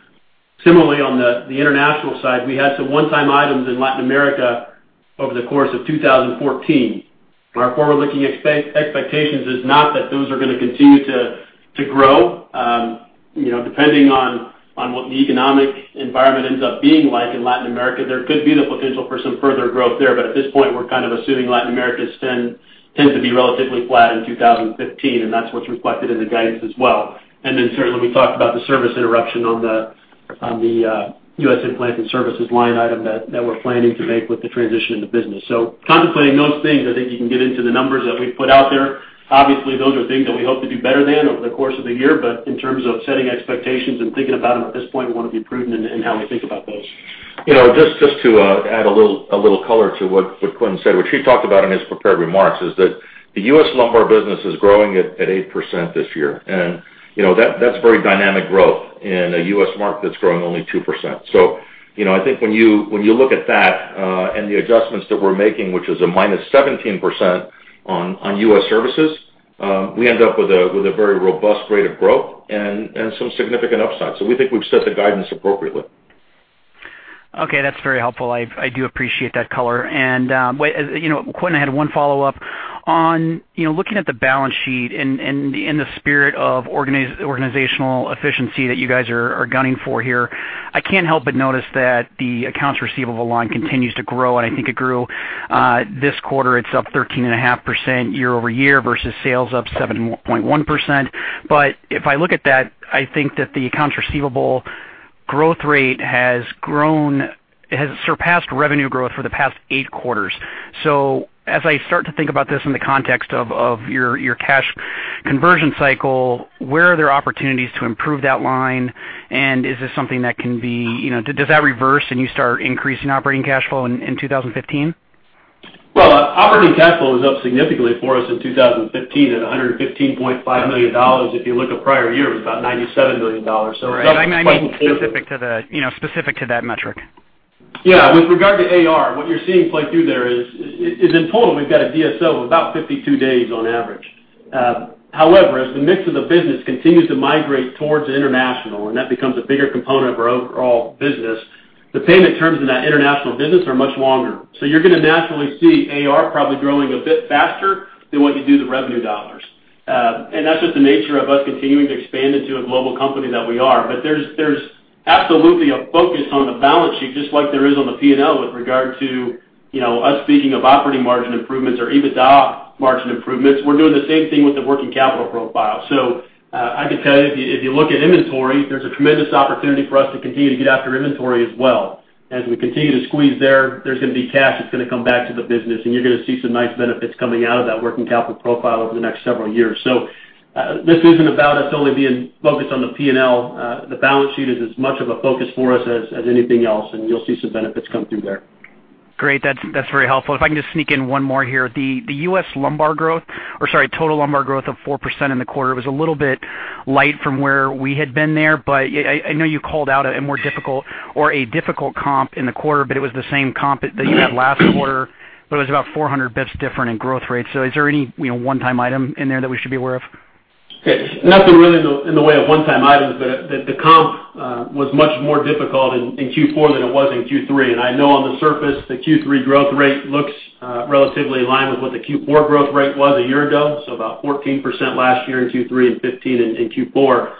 Similarly, on the international side, we had some one-time items in Latin America over the course of 2014. Our forward-looking expectations is not that those are going to continue to grow. Depending on what the economic environment ends up being like in Latin America, there could be the potential for some further growth there. At this point, we're kind of assuming Latin America tends to be relatively flat in 2015, and that's what's reflected in the guidance as well. Certainly, we talked about the service interruption on the U.S. implanted services line item that we're planning to make with the transition into business. Contemplating those things, I think you can get into the numbers that we've put out there. Obviously, those are things that we hope to do better than over the course of the year. In terms of setting expectations and thinking about them at this point, we want to be prudent in how we think about those. Just to add a little color to what Quentin said, which he talked about in his prepared remarks, is that the U.S. lumbar business is growing at 8% this year. That's very dynamic growth in a U.S. market that's growing only 2%. I think when you look at that and the adjustments that we're making, which is a -17% on U.S. services, we end up with a very robust rate of growth and some significant upside. We think we've set the guidance appropriately. Okay. That's very helpful. I do appreciate that color. And Quentin, I had one follow-up. On looking at the balance sheet and in the spirit of organizational efficiency that you guys are gunning for here, I can't help but notice that the accounts receivable line continues to grow. I think it grew this quarter. It's up 13.5% year-over-year versus sales up 7.1%. If I look at that, I think that the accounts receivable growth rate has surpassed revenue growth for the past eight quarters. As I start to think about this in the context of your cash conversion cycle, where are there opportunities to improve that line? Is this something that can be, does that reverse and you start increasing operating cash flow in 2015? Operating cash flow was up significantly for us in 2015 at $115.5 million. If you look at prior years, it was about $97 million. I mean, specific to that metric. Yeah. With regard to AR, what you're seeing play through there is in total, we've got a DSO of about 52 days on average. However, as the mix of the business continues to migrate towards international, and that becomes a bigger component of our overall business, the payment terms in that international business are much longer. You're going to naturally see AR probably growing a bit faster than what you do the revenue dollars. That is just the nature of us continuing to expand into a global company that we are. There is absolutely a focus on the balance sheet, just like there is on the P&L with regard to us speaking of operating margin improvements or EBITDA margin improvements. We are doing the same thing with the working capital profile. I can tell you, if you look at inventory, there is a tremendous opportunity for us to continue to get after inventory as well. As we continue to squeeze there, there is going to be cash that is going to come back to the business, and you are going to see some nice benefits coming out of that working capital profile over the next several years. This is not about us only being focused on the P&L. The balance sheet is as much of a focus for us as anything else, and you'll see some benefits come through there. Great. That's very helpful. If I can just sneak in one more here. The U.S. lumbar growth, or sorry, total lumbar growth of 4% in the quarter was a little bit light from where we had been there. I know you called out a more difficult or a difficult comp in the quarter, but it was the same comp that you had last quarter. It was about 400 bps different in growth rate. Is there any one-time item in there that we should be aware of? Nothing really in the way of one-time items, but the comp was much more difficult in Q4 than it was in Q3. I know on the surface, the Q3 growth rate looks relatively in line with what the Q4 growth rate was a year ago. So about 14% last year in Q3 and 15% in Q4.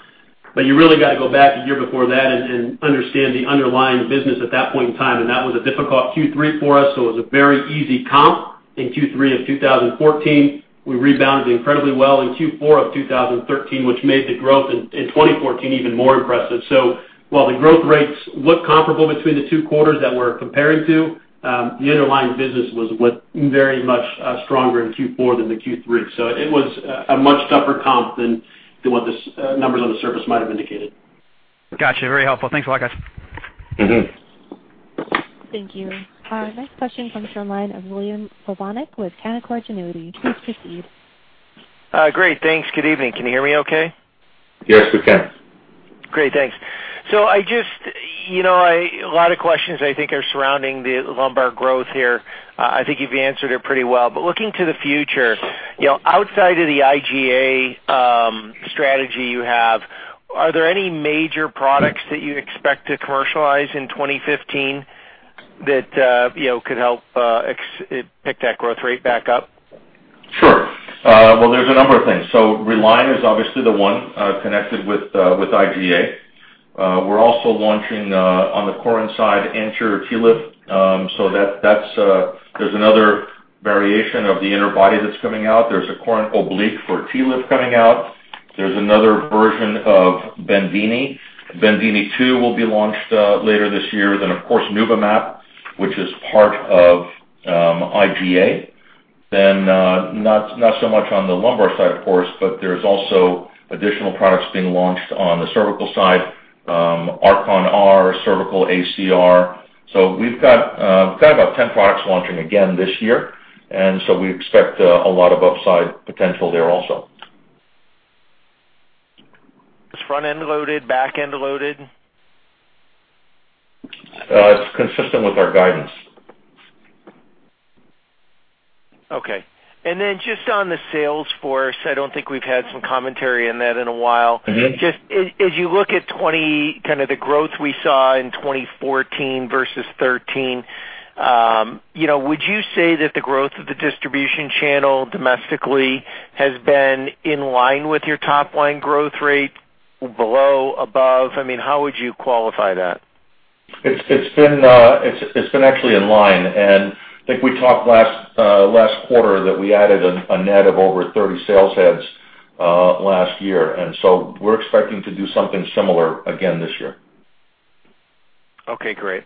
You really got to go back a year before that and understand the underlying business at that point in time. That was a difficult Q3 for us. It was a very easy comp in Q3 of 2014. We rebounded incredibly well in Q4 of 2013, which made the growth in 2014 even more impressive. While the growth rates look comparable between the two quarters that we're comparing to, the underlying business was very much stronger in Q4 than Q3. It was a much tougher comp than what the numbers on the surface might have indicated. Gotcha. Very helpful. Thanks a lot, guys. Thank you. Our next question comes from a line of William Plovanic with Canaccord Genuity. Please proceed. Great. Thanks. Good evening. Can you hear me okay? Yes, we can. Great. Thanks. So just a lot of questions I think are surrounding the lumbar growth here. I think you've answered it pretty well. Looking to the future, outside of the iGA strategy you have, are there any major products that you expect to commercialize in 2015 that could help pick that growth rate back up? Sure. There are a number of things. Reline is obviously the one connected with iGA. We're also launching, on the Corin side, Anterior TLIF. There's another variation of the interbody that's coming out. There's a CoRoent Oblique for TLIF coming out. There's another version of Bendini. Bendini 2 will be launched later this year. Of course, NuvaMap, which is part of iGA. Not so much on the lumbar side, of course, but there's also additional products being launched on the cervical side, Archon-R, cervical ACR. So we've got about 10 products launching again this year. We expect a lot of upside potential there also. Front-end loaded, back-end loaded? It's consistent with our guidance. Okay. And then just on the sales force, I don't think we've had some commentary in that in a while. Just as you look at kind of the growth we saw in 2014 versus 2013, would you say that the growth of the distribution channel domestically has been in line with your top-line growth rate, below, above? I mean, how would you qualify that? It's been actually in line. I think we talked last quarter that we added a net of over 30 sales heads last year. We're expecting to do something similar again this year. Okay. Great.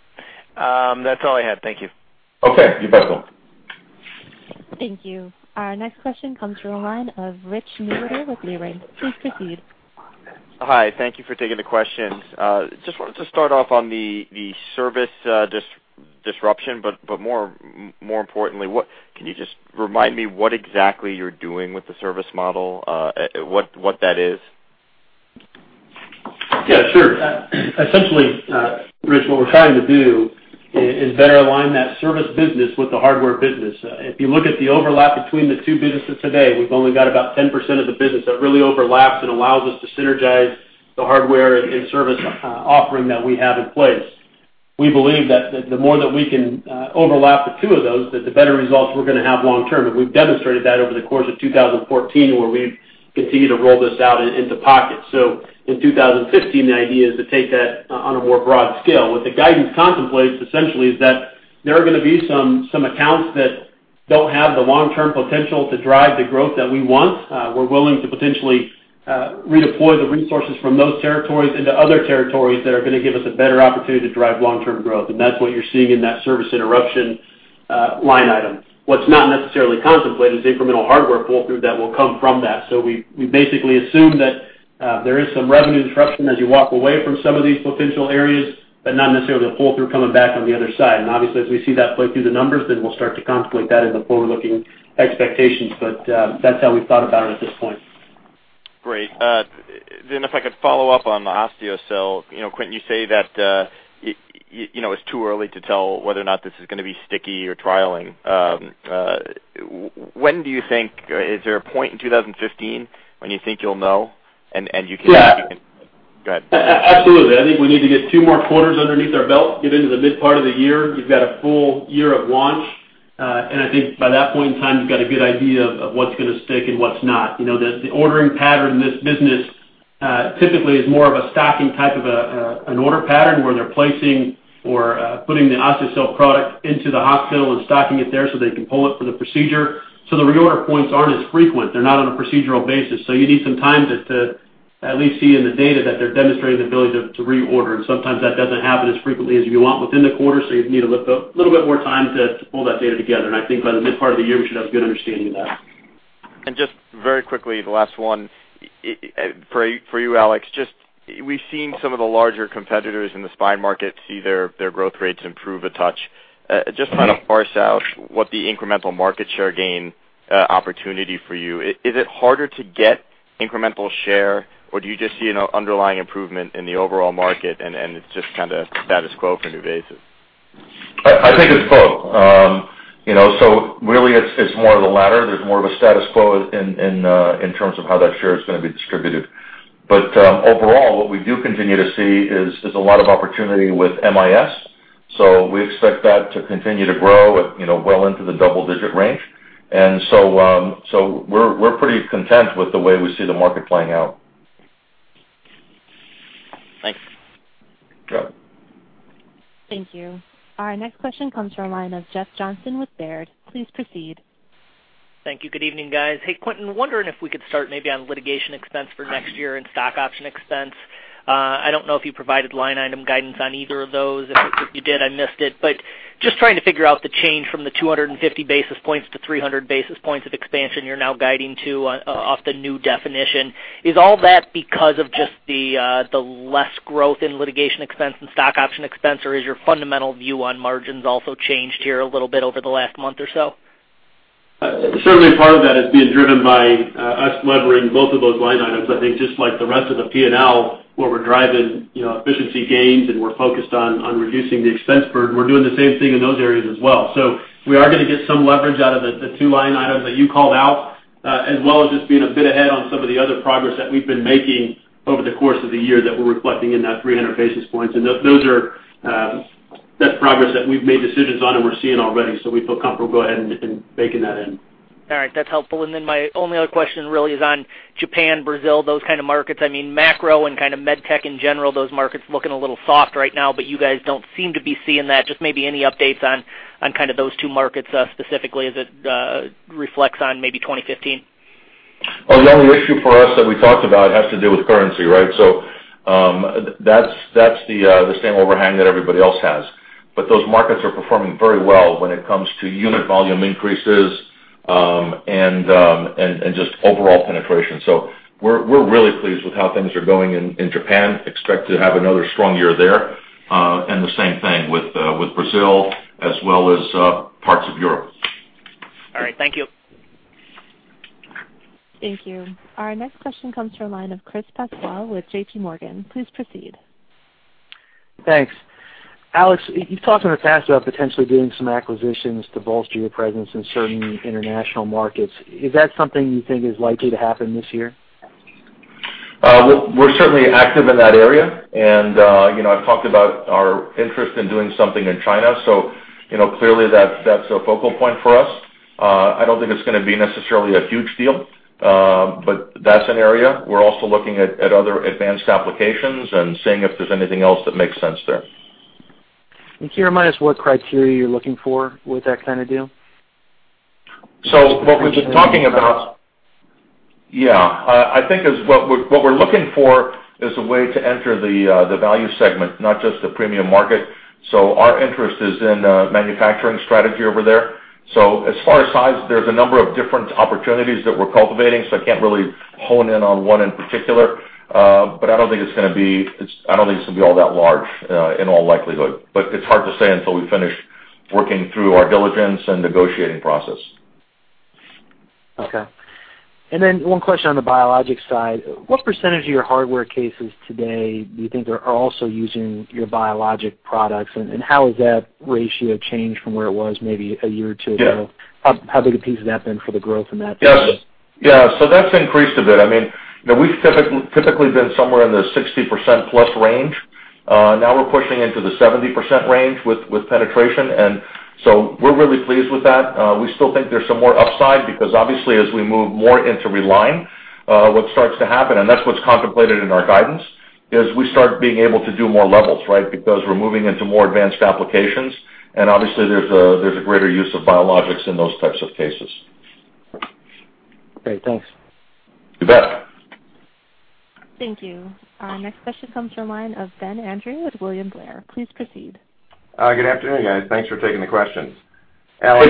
That's all I had. Thank you. Okay. You're welcome. Thank you. Our next question comes from a line of Rich Newitter with Leerink. Please proceed. Hi. Thank you for taking the question. Just wanted to start off on the service disruption, but more importantly, can you just remind me what exactly you're doing with the service model, what that is? Yeah. Sure. Essentially, Rich, what we're trying to do is better align that service business with the hardware business. If you look at the overlap between the two businesses today, we've only got about 10% of the business that really overlaps and allows us to synergize the hardware and service offering that we have in place. We believe that the more that we can overlap the two of those, the better results we're going to have long-term. We have demonstrated that over the course of 2014 where we have continued to roll this out into pockets. In 2015, the idea is to take that on a more broad scale. What the guidance contemplates, essentially, is that there are going to be some accounts that do not have the long-term potential to drive the growth that we want. We are willing to potentially redeploy the resources from those territories into other territories that are going to give us a better opportunity to drive long-term growth. That is what you are seeing in that service interruption line item. What is not necessarily contemplated is incremental hardware pull-through that will come from that. We basically assume that there is some revenue disruption as you walk away from some of these potential areas, but not necessarily a pull-through coming back on the other side. Obviously, as we see that play through the numbers, we will start to contemplate that in the forward-looking expectations. That is how we have thought about it at this point. Great. If I could follow up on the Osteocel, Quentin, you say that it is too early to tell whether or not this is going to be sticky or trialing. When do you think is there a point in 2015 when you think you will know and you can go ahead. Absolutely. I think we need to get two more quarters underneath our belt, get into the mid-part of the year. You have got a full year of launch. I think by that point in time, you have got a good idea of what is going to stick and what is not. The ordering pattern in this business typically is more of a stocking type of an order pattern where they're placing or putting the Osteocel product into the hospital and stocking it there so they can pull it for the procedure. The reorder points aren't as frequent. They're not on a procedural basis. You need some time to at least see in the data that they're demonstrating the ability to reorder. Sometimes that doesn't happen as frequently as you want within the quarter. You need a little bit more time to pull that data together. I think by the mid-part of the year, we should have a good understanding of that. Just very quickly, the last one for you, Alex. We've seen some of the larger competitors in the spine market see their growth rates improve a touch. Just trying to parse out what the incremental market share gain opportunity for you. Is it harder to get incremental share, or do you just see an underlying improvement in the overall market, and it's just kind of status quo for NuVasive? I think it's both. So really, it's more of the latter. There's more of a status quo in terms of how that share is going to be distributed. But overall, what we do continue to see is a lot of opportunity with MIS. So we expect that to continue to grow well into the double-digit range. And so we're pretty content with the way we see the market playing out. Thanks. Thank you. Our next question comes from a line of Jeff Johnson with Baird. Please proceed. Thank you. Good evening, guys. Hey, Quentin, wondering if we could start maybe on litigation expense for next year and stock option expense. I do not know if you provided line item guidance on either of those. If you did, I missed it. Just trying to figure out the change from the 250 basis points to 300 basis points of expansion you are now guiding to off the new definition. Is all that because of just the less growth in litigation expense and stock option expense, or has your fundamental view on margins also changed here a little bit over the last month or so? Certainly, part of that is being driven by us levering both of those line items. I think just like the rest of the P&L, where we are driving efficiency gains and we are focused on reducing the expense burden, we are doing the same thing in those areas as well. We are going to get some leverage out of the two line items that you called out, as well as just being a bit ahead on some of the other progress that we've been making over the course of the year that we're reflecting in that 300 basis points. That's progress that we've made decisions on and we're seeing already. We feel comfortable going ahead and baking that in. All right. That's helpful. My only other question really is on Japan, Brazil, those kind of markets. I mean, macro and kind of med tech in general, those markets looking a little soft right now, but you guys don't seem to be seeing that. Just maybe any updates on those two markets specifically as it reflects on maybe 2015? The only issue for us that we talked about has to do with currency, right? That's the same overhang that everybody else has. Those markets are performing very well when it comes to unit volume increases and just overall penetration. We're really pleased with how things are going in Japan. Expect to have another strong year there. The same thing with Brazil as well as parts of Europe. All right. Thank you. Thank you. Our next question comes from a line of Chris Pasquale with JPMorgan. Please proceed. Thanks. Alex, you've talked in the past about potentially doing some acquisitions to bolster your presence in certain international markets. Is that something you think is likely to happen this year? We're certainly active in that area. I've talked about our interest in doing something in China. Clearly, that's a focal point for us. I don't think it's going to be necessarily a huge deal, but that's an area. We're also looking at other advanced applications and seeing if there's anything else that makes sense there. Can you remind us what criteria you're looking for with that kind of deal? What we've been talking about, yeah. I think what we're looking for is a way to enter the value segment, not just the premium market. Our interest is in manufacturing strategy over there. As far as size, there's a number of different opportunities that we're cultivating. I can't really hone in on one in particular. I don't think it's going to be all that large in all likelihood. It's hard to say until we finish working through our diligence and negotiating process. Okay. One question on the biologic side. What percentage of your hardware cases today do you think are also using your biologic products? And how has that ratio changed from where it was maybe a year or two ago? How big a piece has that been for the growth in that? Yeah. So that's increased a bit. I mean, we've typically been somewhere in the 60%+ range. Now we're pushing into the 70% range with penetration. And so we're really pleased with that. We still think there's some more upside because obviously, as we move more into Reline, what starts to happen—and that's what's contemplated in our guidance—is we start being able to do more levels, right? Because we're moving into more advanced applications. And obviously, there's a greater use of biologics in those types of cases. Great. Thanks. You bet. Thank you. Our next question comes from a line of Ben Andrew with William Blair. Please proceed. Good afternoon, guys. Thanks for taking the question. Alex,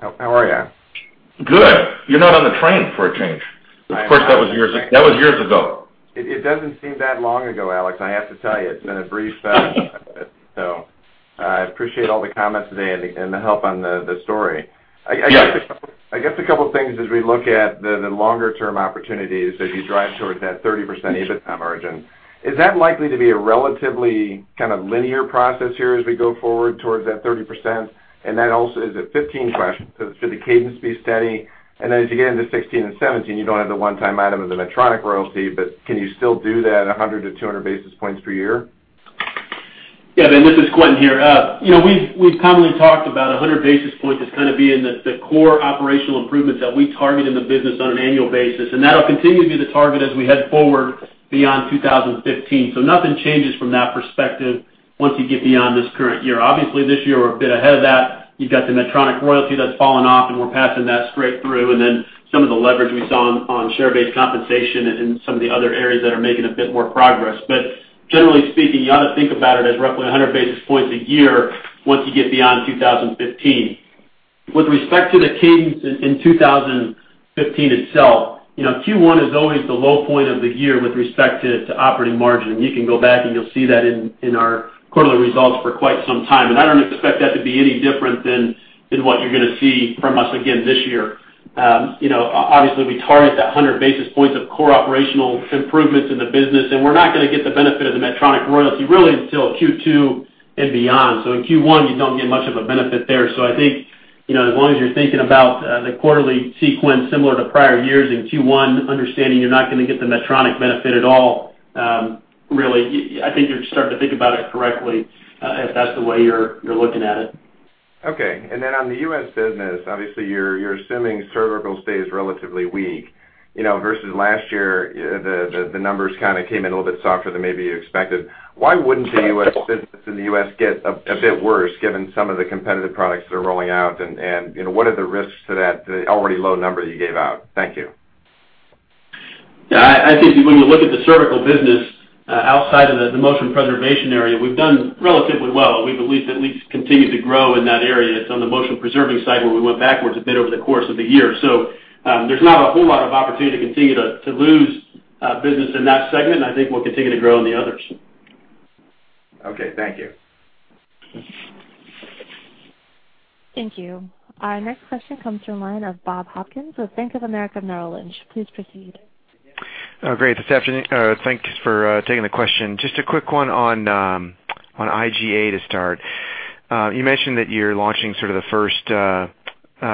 how are you? Good. You're not on the train for a change. Of course, that was years ago. It does not seem that long ago, Alex. I have to tell you. It's been a brief time. I appreciate all the comments today and the help on the story. I guess a couple of things as we look at the longer-term opportunities as you drive towards that 30% EBITDA margin. Is that likely to be a relatively kind of linear process here as we go forward towards that 30%? Also, is it 15 questions? Does the cadence be steady? As you get into 2016 and 2017, you do not have the one-time item of the Medtronic royalty, but can you still do that 100 basis points-200 basis points per year? Yeah. This is Quentin here. We've commonly talked about 100 basis points as kind of being the core operational improvements that we target in the business on an annual basis. That'll continue to be the target as we head forward beyond 2015. Nothing changes from that perspective once you get beyond this current year. Obviously, this year we're a bit ahead of that. You've got the Medtronic royalty that's fallen off, and we're passing that straight through. Then some of the leverage we saw on share-based compensation and some of the other areas that are making a bit more progress. Generally speaking, you ought to think about it as roughly 100 basis points a year once you get beyond 2015. With respect to the cadence in 2015 itself, Q1 is always the low point of the year with respect to operating margin. You can go back, and you'll see that in our quarterly results for quite some time. I don't expect that to be any different than what you're going to see from us again this year. Obviously, we target that 100 basis points of core operational improvements in the business. We're not going to get the benefit of the Medtronic royalty really until Q2 and beyond. In Q1, you don't get much of a benefit there. I think as long as you're thinking about the quarterly sequence similar to prior years in Q1, understanding you're not going to get the Medtronic benefit at all, really, I think you're starting to think about it correctly if that's the way you're looking at it. Okay. Then on the U.S. business, obviously, you're assuming cervical stays relatively weak versus last year, the numbers kind of came in a little bit softer than maybe you expected. Why wouldn't the U.S. business in the U.S. get a bit worse given some of the competitive products that are rolling out? What are the risks to that already low number you gave out? Thank you. Yeah. I think when you look at the cervical business outside of the motion preservation area, we've done relatively well. We've at least continued to grow in that area. It's on the motion preserving side where we went backwards a bit over the course of the year. There's not a whole lot of opportunity to continue to lose business in that segment. I think we'll continue to grow in the others. Okay. Thank you. Thank you. Our next question comes from a line of Bob Hopkins with Bank of America Merrill Lynch. Please proceed. Great. This afternoon, thanks for taking the question. Just a quick one on iGA to start. You mentioned that you're launching sort of the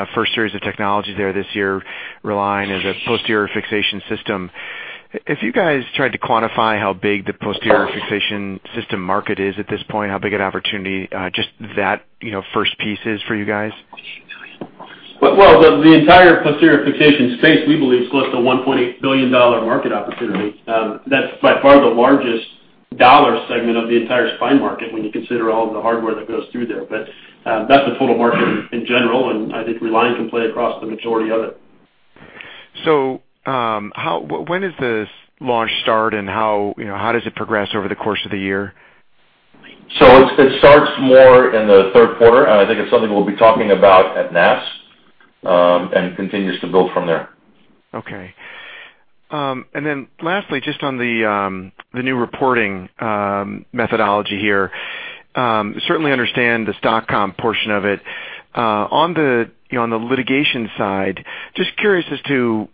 first series of technologies there this year, Reline as a posterior fixation system. If you guys tried to quantify how big the posterior fixation system market is at this point, how big an opportunity just that first piece is for you guys? The entire posterior fixation space, we believe, is worth the $1.8 billion market opportunity. That's by far the largest dollar segment of the entire spine market when you consider all of the hardware that goes through there. That's the total market in general. I think Reline can play across the majority of it. When does this launch start, and how does it progress over the course of the year? It starts more in the third quarter. I think it's something we'll be talking about at NASS and continues to build from there. Okay. Lastly, just on the new reporting methodology here, certainly understand the stock comp portion of it. On the litigation side, just curious as to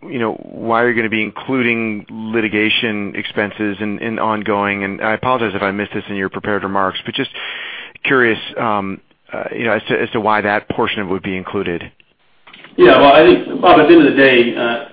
why you're going to be including litigation expenses and ongoing. I apologize if I missed this in your prepared remarks, but just curious as to why that portion would be included. Yeah. I think, Bob, at the end of the day,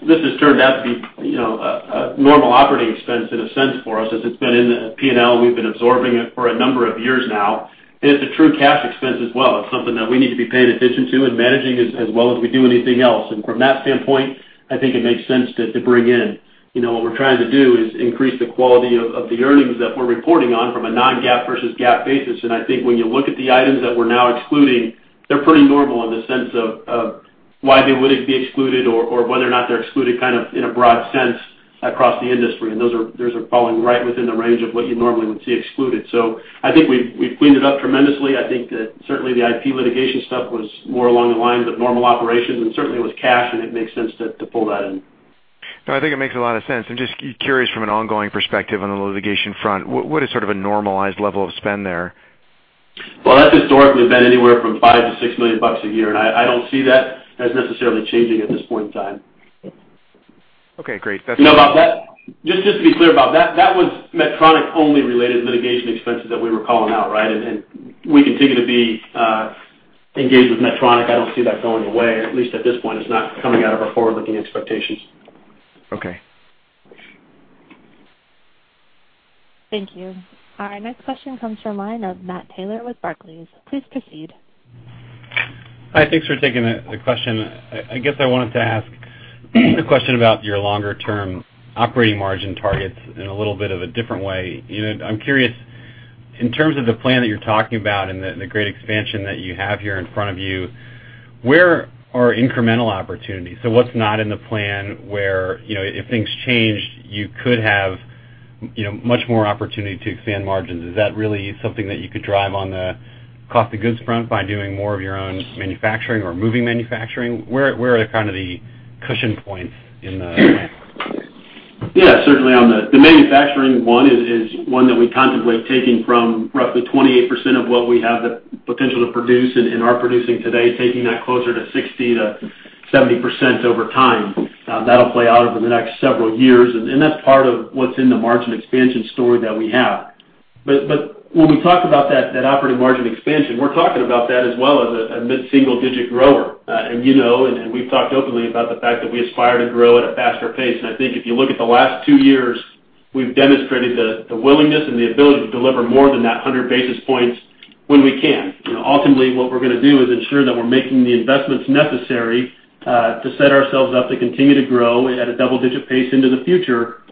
this has turned out to be a normal operating expense in a sense for us as it's been in the P&L. We've been absorbing it for a number of years now. It's a true cash expense as well. It's something that we need to be paying attention to and managing as well as we do anything else. From that standpoint, I think it makes sense to bring in. What we're trying to do is increase the quality of the earnings that we're reporting on from a non-GAAP versus GAAP basis. I think when you look at the items that we're now excluding, they're pretty normal in the sense of why they wouldn't be excluded or whether or not they're excluded kind of in a broad sense across the industry. Those are falling right within the range of what you normally would see excluded. I think we've cleaned it up tremendously. I think that certainly the IP litigation stuff was more along the lines of normal operations. Certainly, it was cash, and it makes sense to pull that in. No, I think it makes a lot of sense. I'm just curious from an ongoing perspective on the litigation front. What is sort of a normalized level of spend there? That has historically been anywhere from $5 million to $6 million a year. I don't see that as necessarily changing at this point in time. Okay. Great. You know about that? Just to be clear about that, that was Medtronic-only related litigation expenses that we were calling out, right? We continue to be engaged with Medtronic. I don't see that going away. At least at this point, it's not coming out of our forward-looking expectations. Okay. Thank you. Our next question comes from a line of Matt Taylor with Barclays. Please proceed. Hi. Thanks for taking the question. I guess I wanted to ask a question about your longer-term operating margin targets in a little bit of a different way. I'm curious, in terms of the plan that you're talking about and the great expansion that you have here in front of you, where are incremental opportunities? So what's not in the plan where if things change, you could have much more opportunity to expand margins? Is that really something that you could drive on the cost of goods front by doing more of your own manufacturing or moving manufacturing? Where are kind of the cushion points in the plan? Yeah. Certainly, on the manufacturing one is one that we contemplate taking from roughly 28% of what we have the potential to produce and are producing today, taking that closer to 60%-70% over time. That'll play out over the next several years. That is part of what is in the margin expansion story that we have. When we talk about that operating margin expansion, we are talking about that as well as a single-digit grower. We have talked openly about the fact that we aspire to grow at a faster pace. I think if you look at the last two years, we have demonstrated the willingness and the ability to deliver more than that 100 basis points when we can. Ultimately, what we are going to do is ensure that we are making the investments necessary to set ourselves up to continue to grow at a double-digit pace into the future,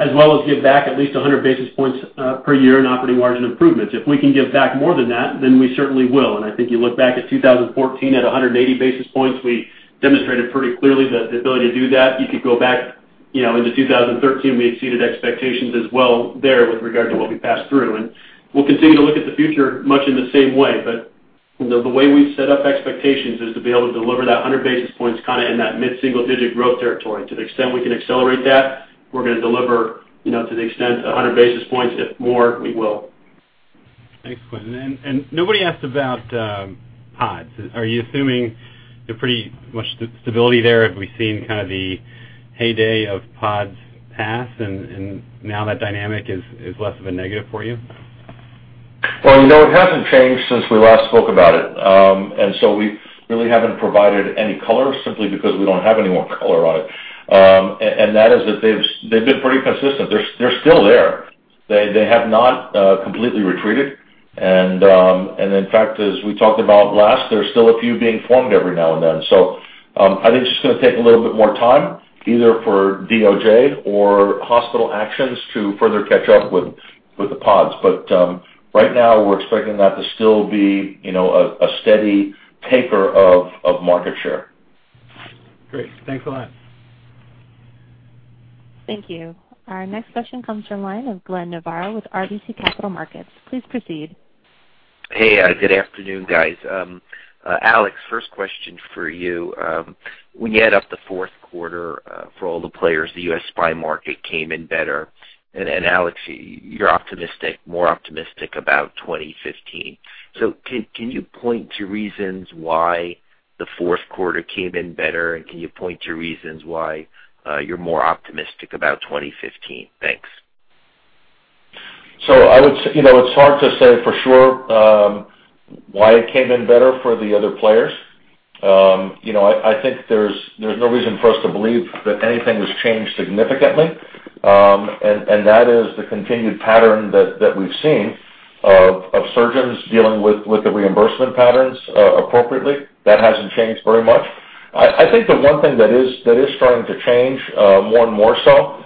as well as give back at least 100 basis points per year in operating margin improvements. If we can give back more than that, then we certainly will. I think you look back at 2014 at 180 basis points, we demonstrated pretty clearly the ability to do that. You could go back into 2013. We exceeded expectations as well there with regard to what we passed through. We will continue to look at the future much in the same way. The way we set up expectations is to be able to deliver that 100 basis points kind of in that mid-single-digit growth territory. To the extent we can accelerate that, we're going to deliver to the extent 100 basis points. If more, we will. Thanks, Quentin. Nobody asked about PODs. Are you assuming pretty much stability there? Have we seen kind of the heyday of PODs pass, and now that dynamic is less of a negative for you? It hasn't changed since we last spoke about it. We really have not provided any color simply because we do not have any more color on it. That is that they have been pretty consistent. They are still there. They have not completely retreated. In fact, as we talked about last, there are still a few being formed every now and then. I think it is just going to take a little bit more time either for DOJ or hospital actions to further catch up with the PODs. Right now, we are expecting that to still be a steady taker of market share. Great. Thanks a lot. Thank you. Our next question comes from a line of Glenn Novarro with RBC Capital Markets. Please proceed. Hey, good afternoon, guys. Alex, first question for you. When you add up the fourth quarter for all the players, the U.S. spine market came in better. Alex, you are optimistic, more optimistic about 2015. Can you point to reasons why the fourth quarter came in better? And can you point to reasons why you're more optimistic about 2015? Thanks. It's hard to say for sure why it came in better for the other players. I think there's no reason for us to believe that anything has changed significantly. That is the continued pattern that we've seen of surgeons dealing with the reimbursement patterns appropriately. That hasn't changed very much. I think the one thing that is starting to change more and more so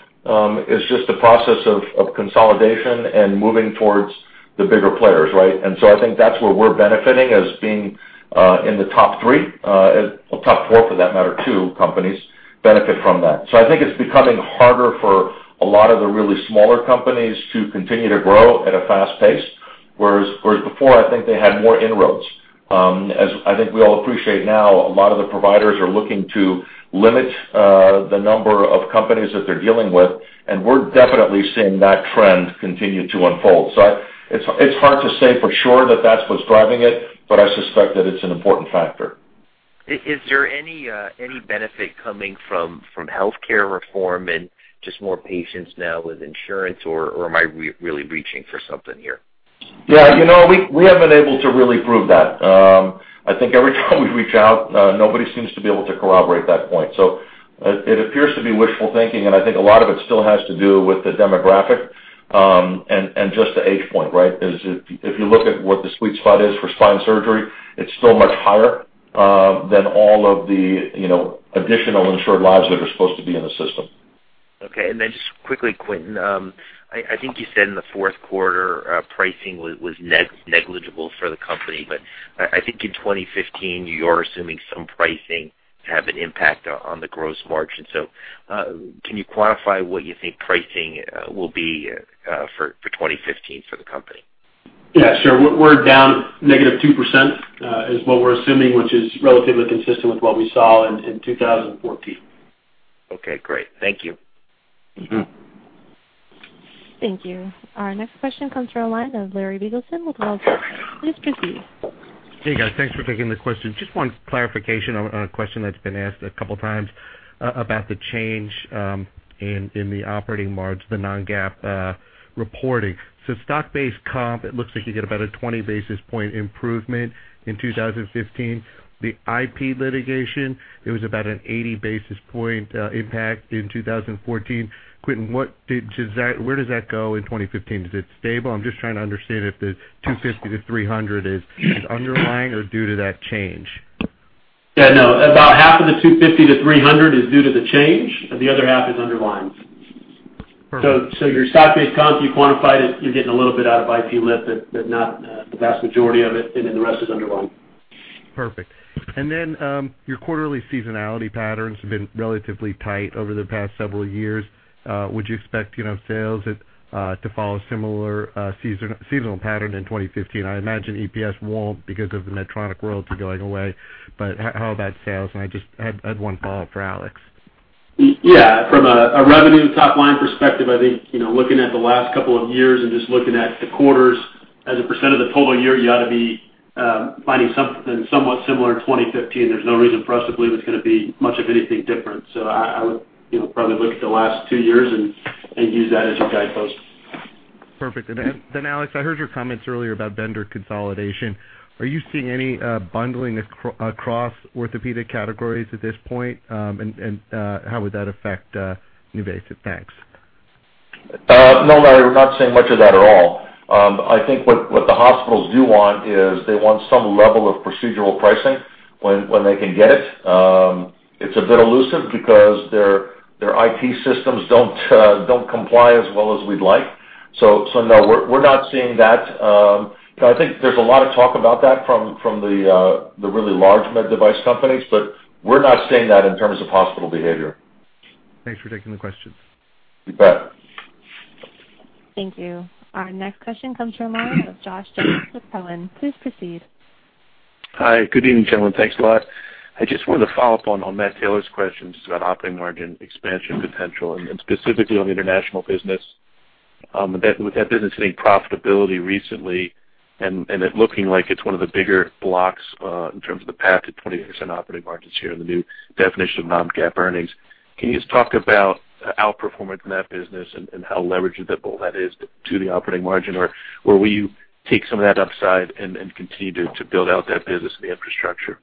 is just the process of consolidation and moving towards the bigger players, right? I think that's where we're benefiting as being in the top three, top four for that matter, two companies benefit from that. I think it's becoming harder for a lot of the really smaller companies to continue to grow at a fast pace. Whereas before, I think they had more inroads. As I think we all appreciate now, a lot of the providers are looking to limit the number of companies that they're dealing with. We're definitely seeing that trend continue to unfold. It's hard to say for sure that that's what's driving it, but I suspect that it's an important factor. Is there any benefit coming from healthcare reform and just more patients now with insurance, or am I really reaching for something here? Yeah. We haven't been able to really prove that. I think every time we reach out, nobody seems to be able to corroborate that point. It appears to be wishful thinking. I think a lot of it still has to do with the demographic and just the age point, right? If you look at what the sweet spot is for spine surgery, it's still much higher than all of the additional insured lives that are supposed to be in the system. Okay. Then just quickly, Quentin, I think you said in the fourth quarter, pricing was negligible for the company. But I think in 2015, you're assuming some pricing to have an impact on the gross margin. Can you quantify what you think pricing will be for 2015 for the company? Yeah. Sure. We're down -2% is what we're assuming, which is relatively consistent with what we saw in 2014. Okay. Great. Thank you. Thank you. Our next question comes from a line of Larry Biegelsen. Please proceed. Hey, guys. Thanks for taking the question. Just one clarification on a question that's been asked a couple of times about the change in the operating margin, the non-GAAP reporting. So stock-based comp, it looks like you get about a 20 basis point improvement in 2015. The IP litigation, it was about an 80 basis point impact in 2014. Quentin, where does that go in 2015? Is it stable? I'm just trying to understand if the 250 basis points-300 basis points is underlying or due to that change. Yeah. No. About half of the 250 basis points-300 basis points is due to the change. The other half is underlying. So your stock-based comp, you quantified it. You're getting a little bit out of IP lit, but not the vast majority of it. And then the rest is underlying. Perfect. And then your quarterly seasonality patterns have been relatively tight over the past several years. Would you expect sales to follow a similar seasonal pattern in 2015? I imagine EPS won't because of the Medtronic royalty going away. How about sales? I just had one follow-up for Alex. Yeah. From a revenue top-line perspective, I think looking at the last couple of years and just looking at the quarters as a percent of the total year, you ought to be finding something somewhat similar in 2015. There is no reason for us to believe it is going to be much of anything different. I would probably look at the last two years and use that as your guidepost. Perfect. Alex, I heard your comments earlier about vendor consolidation. Are you seeing any bundling across orthopedic categories at this point? How would that affect NuVasive facts? No, Larry, we are not seeing much of that at all. I think what the hospitals do want is they want some level of procedural pricing when they can get it. It's a bit elusive because their IT systems don't comply as well as we'd like. No, we're not seeing that. I think there's a lot of talk about that from the really large med device companies. We're not seeing that in terms of hospital behavior. Thanks for taking the question. You bet. Thank you. Our next question comes from a line of Josh Jones with Cowen. Please proceed. Hi. Good evening, gentlemen. Thanks a lot. I just wanted to follow up on Matt Taylor's questions about operating margin expansion potential and specifically on the international business. With that business hitting profitability recently and it looking like it's one of the bigger blocks in terms of the path to 20% operating margins here in the new definition of non-GAAP earnings, can you just talk about outperforming that business and how leveraged that that is to the operating margin? Or will you take some of that upside and continue to build out that business and the infrastructure?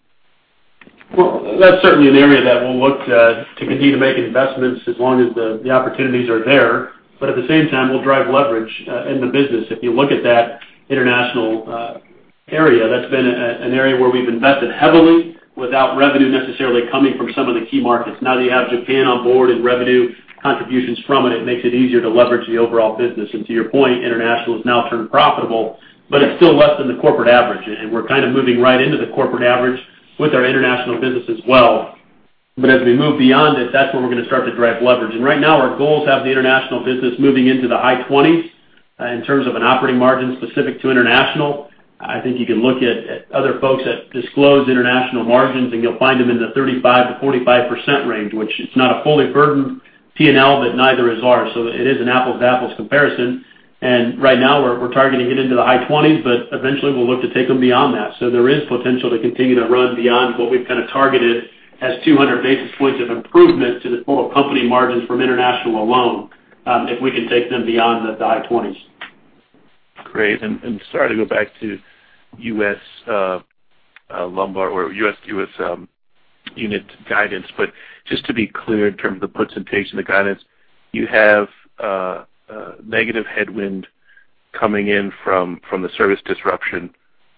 That is certainly an area that we'll look to continue to make investments as long as the opportunities are there. At the same time, we'll drive leverage in the business. If you look at that international area, that's been an area where we've invested heavily without revenue necessarily coming from some of the key markets. Now that you have Japan on board and revenue contributions from it, it makes it easier to leverage the overall business. To your point, international has now turned profitable, but it's still less than the corporate average. We're kind of moving right into the corporate average with our international business as well. As we move beyond it, that's where we're going to start to drive leverage. Right now, our goals have the international business moving into the high 20%s in terms of an operating margin specific to international. I think you can look at other folks that disclose international margins, and you'll find them in the 35%-45% range, which is not a fully burdened P&L, but neither is ours. It is an apples-to-apples comparison. Right now, we're targeting to get into the high 20%s, but eventually, we'll look to take them beyond that. There is potential to continue to run beyond what we have kind of targeted as 200 basis points of improvement to the total company margins from international alone if we can take them beyond the high 20%s. Great. Sorry to go back to U.S. lumbar or U.S. unit guidance. Just to be clear in terms of the presentation, the guidance, you have negative headwind coming in from the service disruption.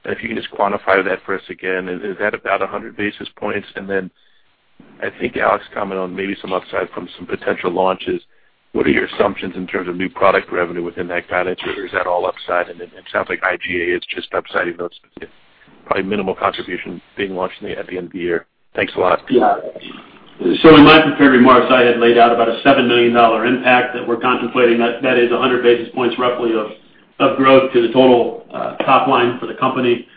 If you can just quantify that for us again, is that about 100 basis points? I think Alex commented on maybe some upside from some potential launches. What are your assumptions in terms of new product revenue within that guidance? Or is that all upside? It sounds like iGA is just upsiding those with probably minimal contribution being launched at the end of the year. Thanks a lot. Yeah. In my prepared remarks, I had laid out about a $7 million impact that we're contemplating. That is 100 basis points roughly of growth to the total top line for the company.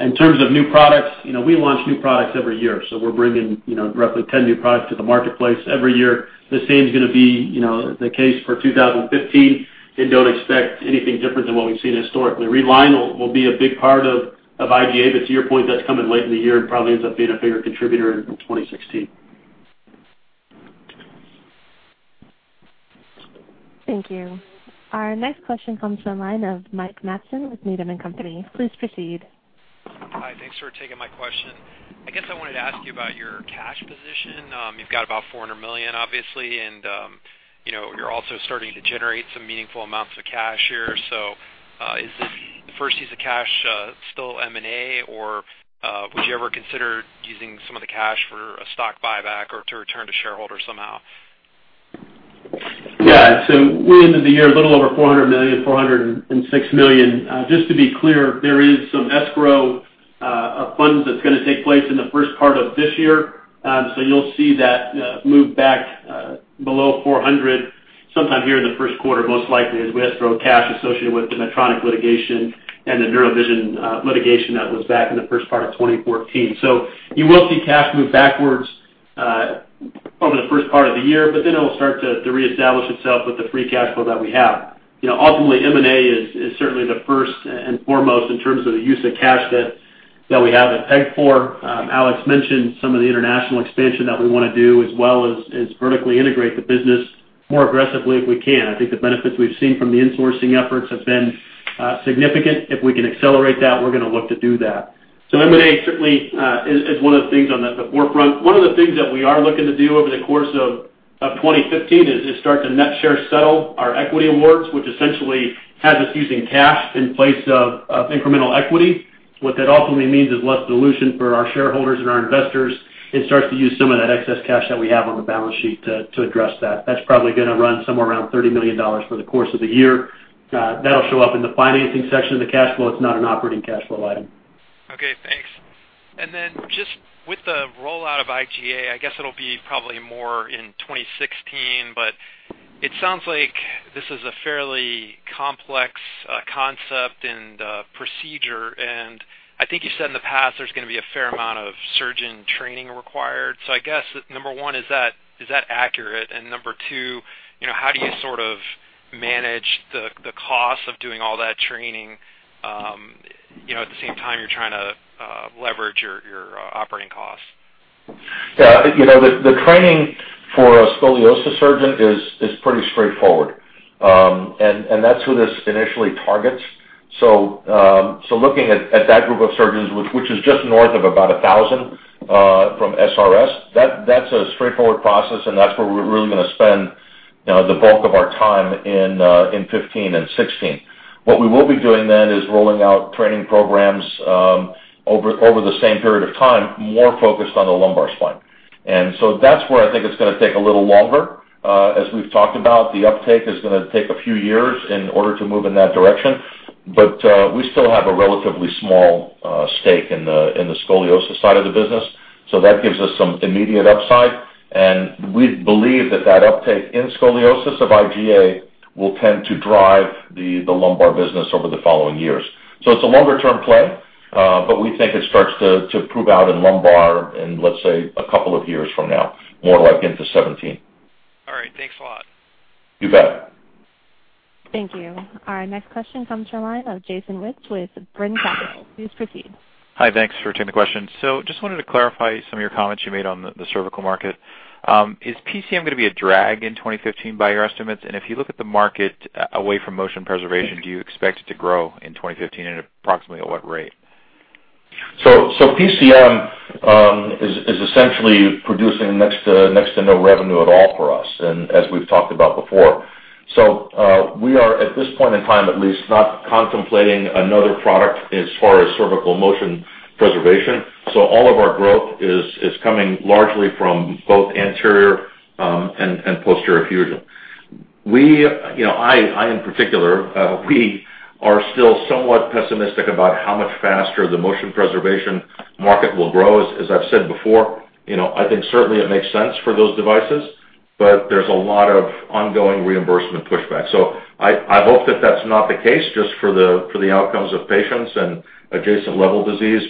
In terms of new products, we launch new products every year. We're bringing roughly 10 new products to the marketplace every year. The same is going to be the case for 2015. Do not expect anything different than what we've seen historically. Reline will be a big part of iGA. To your point, that's coming late in the year and probably ends up being a bigger contributor in 2016. Thank you. Our next question comes from a line of Mike Matson with Needham & Company. Please proceed. Hi. Thanks for taking my question. I guess I wanted to ask you about your cash position. You've got about $400 million, obviously. You're also starting to generate some meaningful amounts of cash here. Is the first piece of cash still M&A? Or would you ever consider using some of the cash for a stock buyback or to return to shareholders somehow? Yeah. We ended the year a little over $400 million, $406 million. Just to be clear, there is some escrow of funds that's going to take place in the first part of this year. You'll see that move back below $400 million sometime here in the first quarter, most likely, as we escrow cash associated with the Medtronic litigation and the NeuroVision litigation that was back in the first part of 2014. You will see cash move backwards over the first part of the year, but then it'll start to reestablish itself with the free cash flow that we have. Ultimately, M&A is certainly the first and foremost in terms of the use of cash that we have at NuVasive. Alex mentioned some of the international expansion that we want to do as well as vertically integrate the business more aggressively if we can. I think the benefits we've seen from the insourcing efforts have been significant. If we can accelerate that, we're going to look to do that. M&A certainly is one of the things on the forefront. One of the things that we are looking to do over the course of 2015 is start to net share settle our equity awards, which essentially has us using cash in place of incremental equity. What that ultimately means is less dilution for our shareholders and our investors and starts to use some of that excess cash that we have on the balance sheet to address that. That's probably going to run somewhere around $30 million for the course of the year. That'll show up in the financing section of the cash flow. It's not an operating cash flow item. Okay. Thanks. And then just with the rollout of iGA, I guess it'll be probably more in 2016. But it sounds like this is a fairly complex concept and procedure. And I think you said in the past there's going to be a fair amount of surgeon training required. So I guess number one, is that accurate? And number two, how do you sort of manage the cost of doing all that training at the same time you're trying to leverage your operating costs? Yeah. The training for a scoliosis surgeon is pretty straightforward. And that's who this initially targets. Looking at that group of surgeons, which is just north of about 1,000 from SRS, that's a straightforward process. That is where we're really going to spend the bulk of our time in 2015 and 2016. What we will be doing then is rolling out training programs over the same period of time, more focused on the lumbar spine. That is where I think it's going to take a little longer. As we've talked about, the uptake is going to take a few years in order to move in that direction. We still have a relatively small stake in the scoliosis side of the business. That gives us some immediate upside. We believe that uptake in scoliosis of iGA will tend to drive the lumbar business over the following years. It is a longer-term play. We think it starts to prove out in lumbar in, let's say, a couple of years from now, more like into 2017. All right. Thanks a lot. You bet. Thank you. Our next question comes from a line of Jason Wittes with Brean Capital. Please proceed. Hi. Thanks for taking the question. Just wanted to clarify some of your comments you made on the cervical market. Is PCM going to be a drag in 2015 by your estimates? If you look at the market away from motion preservation, do you expect it to grow in 2015 at approximately what rate? PCM is essentially producing next to no revenue at all for us, as we've talked about before. We are, at this point in time at least, not contemplating another product as far as cervical motion preservation. All of our growth is coming largely from both anterior and posterior fusion. I, in particular, we are still somewhat pessimistic about how much faster the motion preservation market will grow. As I've said before, I think certainly it makes sense for those devices. There is a lot of ongoing reimbursement pushback. I hope that that's not the case just for the outcomes of patients and adjacent-level disease.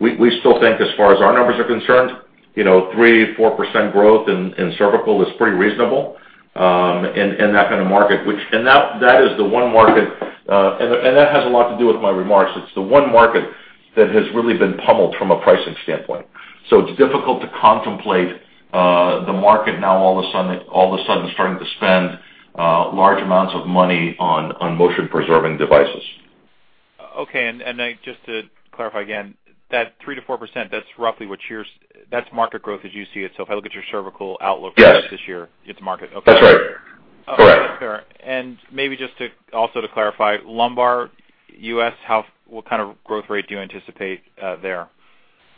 We still think, as far as our numbers are concerned, 3%-4% growth in cervical is pretty reasonable in that kind of market. That is the one market, and that has a lot to do with my remarks. It's the one market that has really been pummeled from a pricing standpoint. It's difficult to contemplate the market now all of a sudden starting to spend large amounts of money on motion-preserving devices. Okay. Just to clarify again, that 3%-4%, that's roughly what you're—that's market growth as you see itself. I look at your cervical outlook for this year. It's market. Okay. That's right. Correct. Fair. Maybe just also to clarify, lumbar U.S., what kind of growth rate do you anticipate there?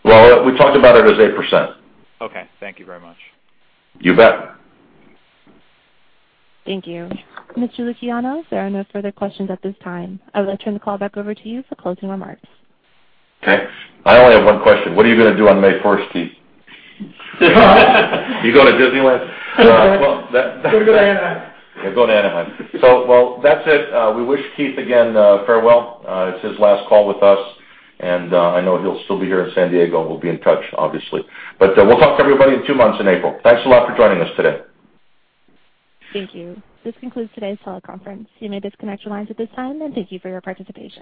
We talked about it as 8%. Okay. Thank you very much. You bet. Thank you. Mr. Lukianov, there are no further questions at this time. I will turn the call back over to you for closing remarks. Okay. I only have one question. What are you going to do on May 1st, Keith? You go to Disneyland? Go to Anaheim. Yeah. Go to Anaheim. That's it. We wish Keith again farewell. It's his last call with us. I know he'll still be here in San Diego. We'll be in touch, obviously. We'll talk to everybody in two months in April. Thanks a lot for joining us today. Thank you. This concludes today's teleconference. You may disconnect your lines at this time. Thank you for your participation.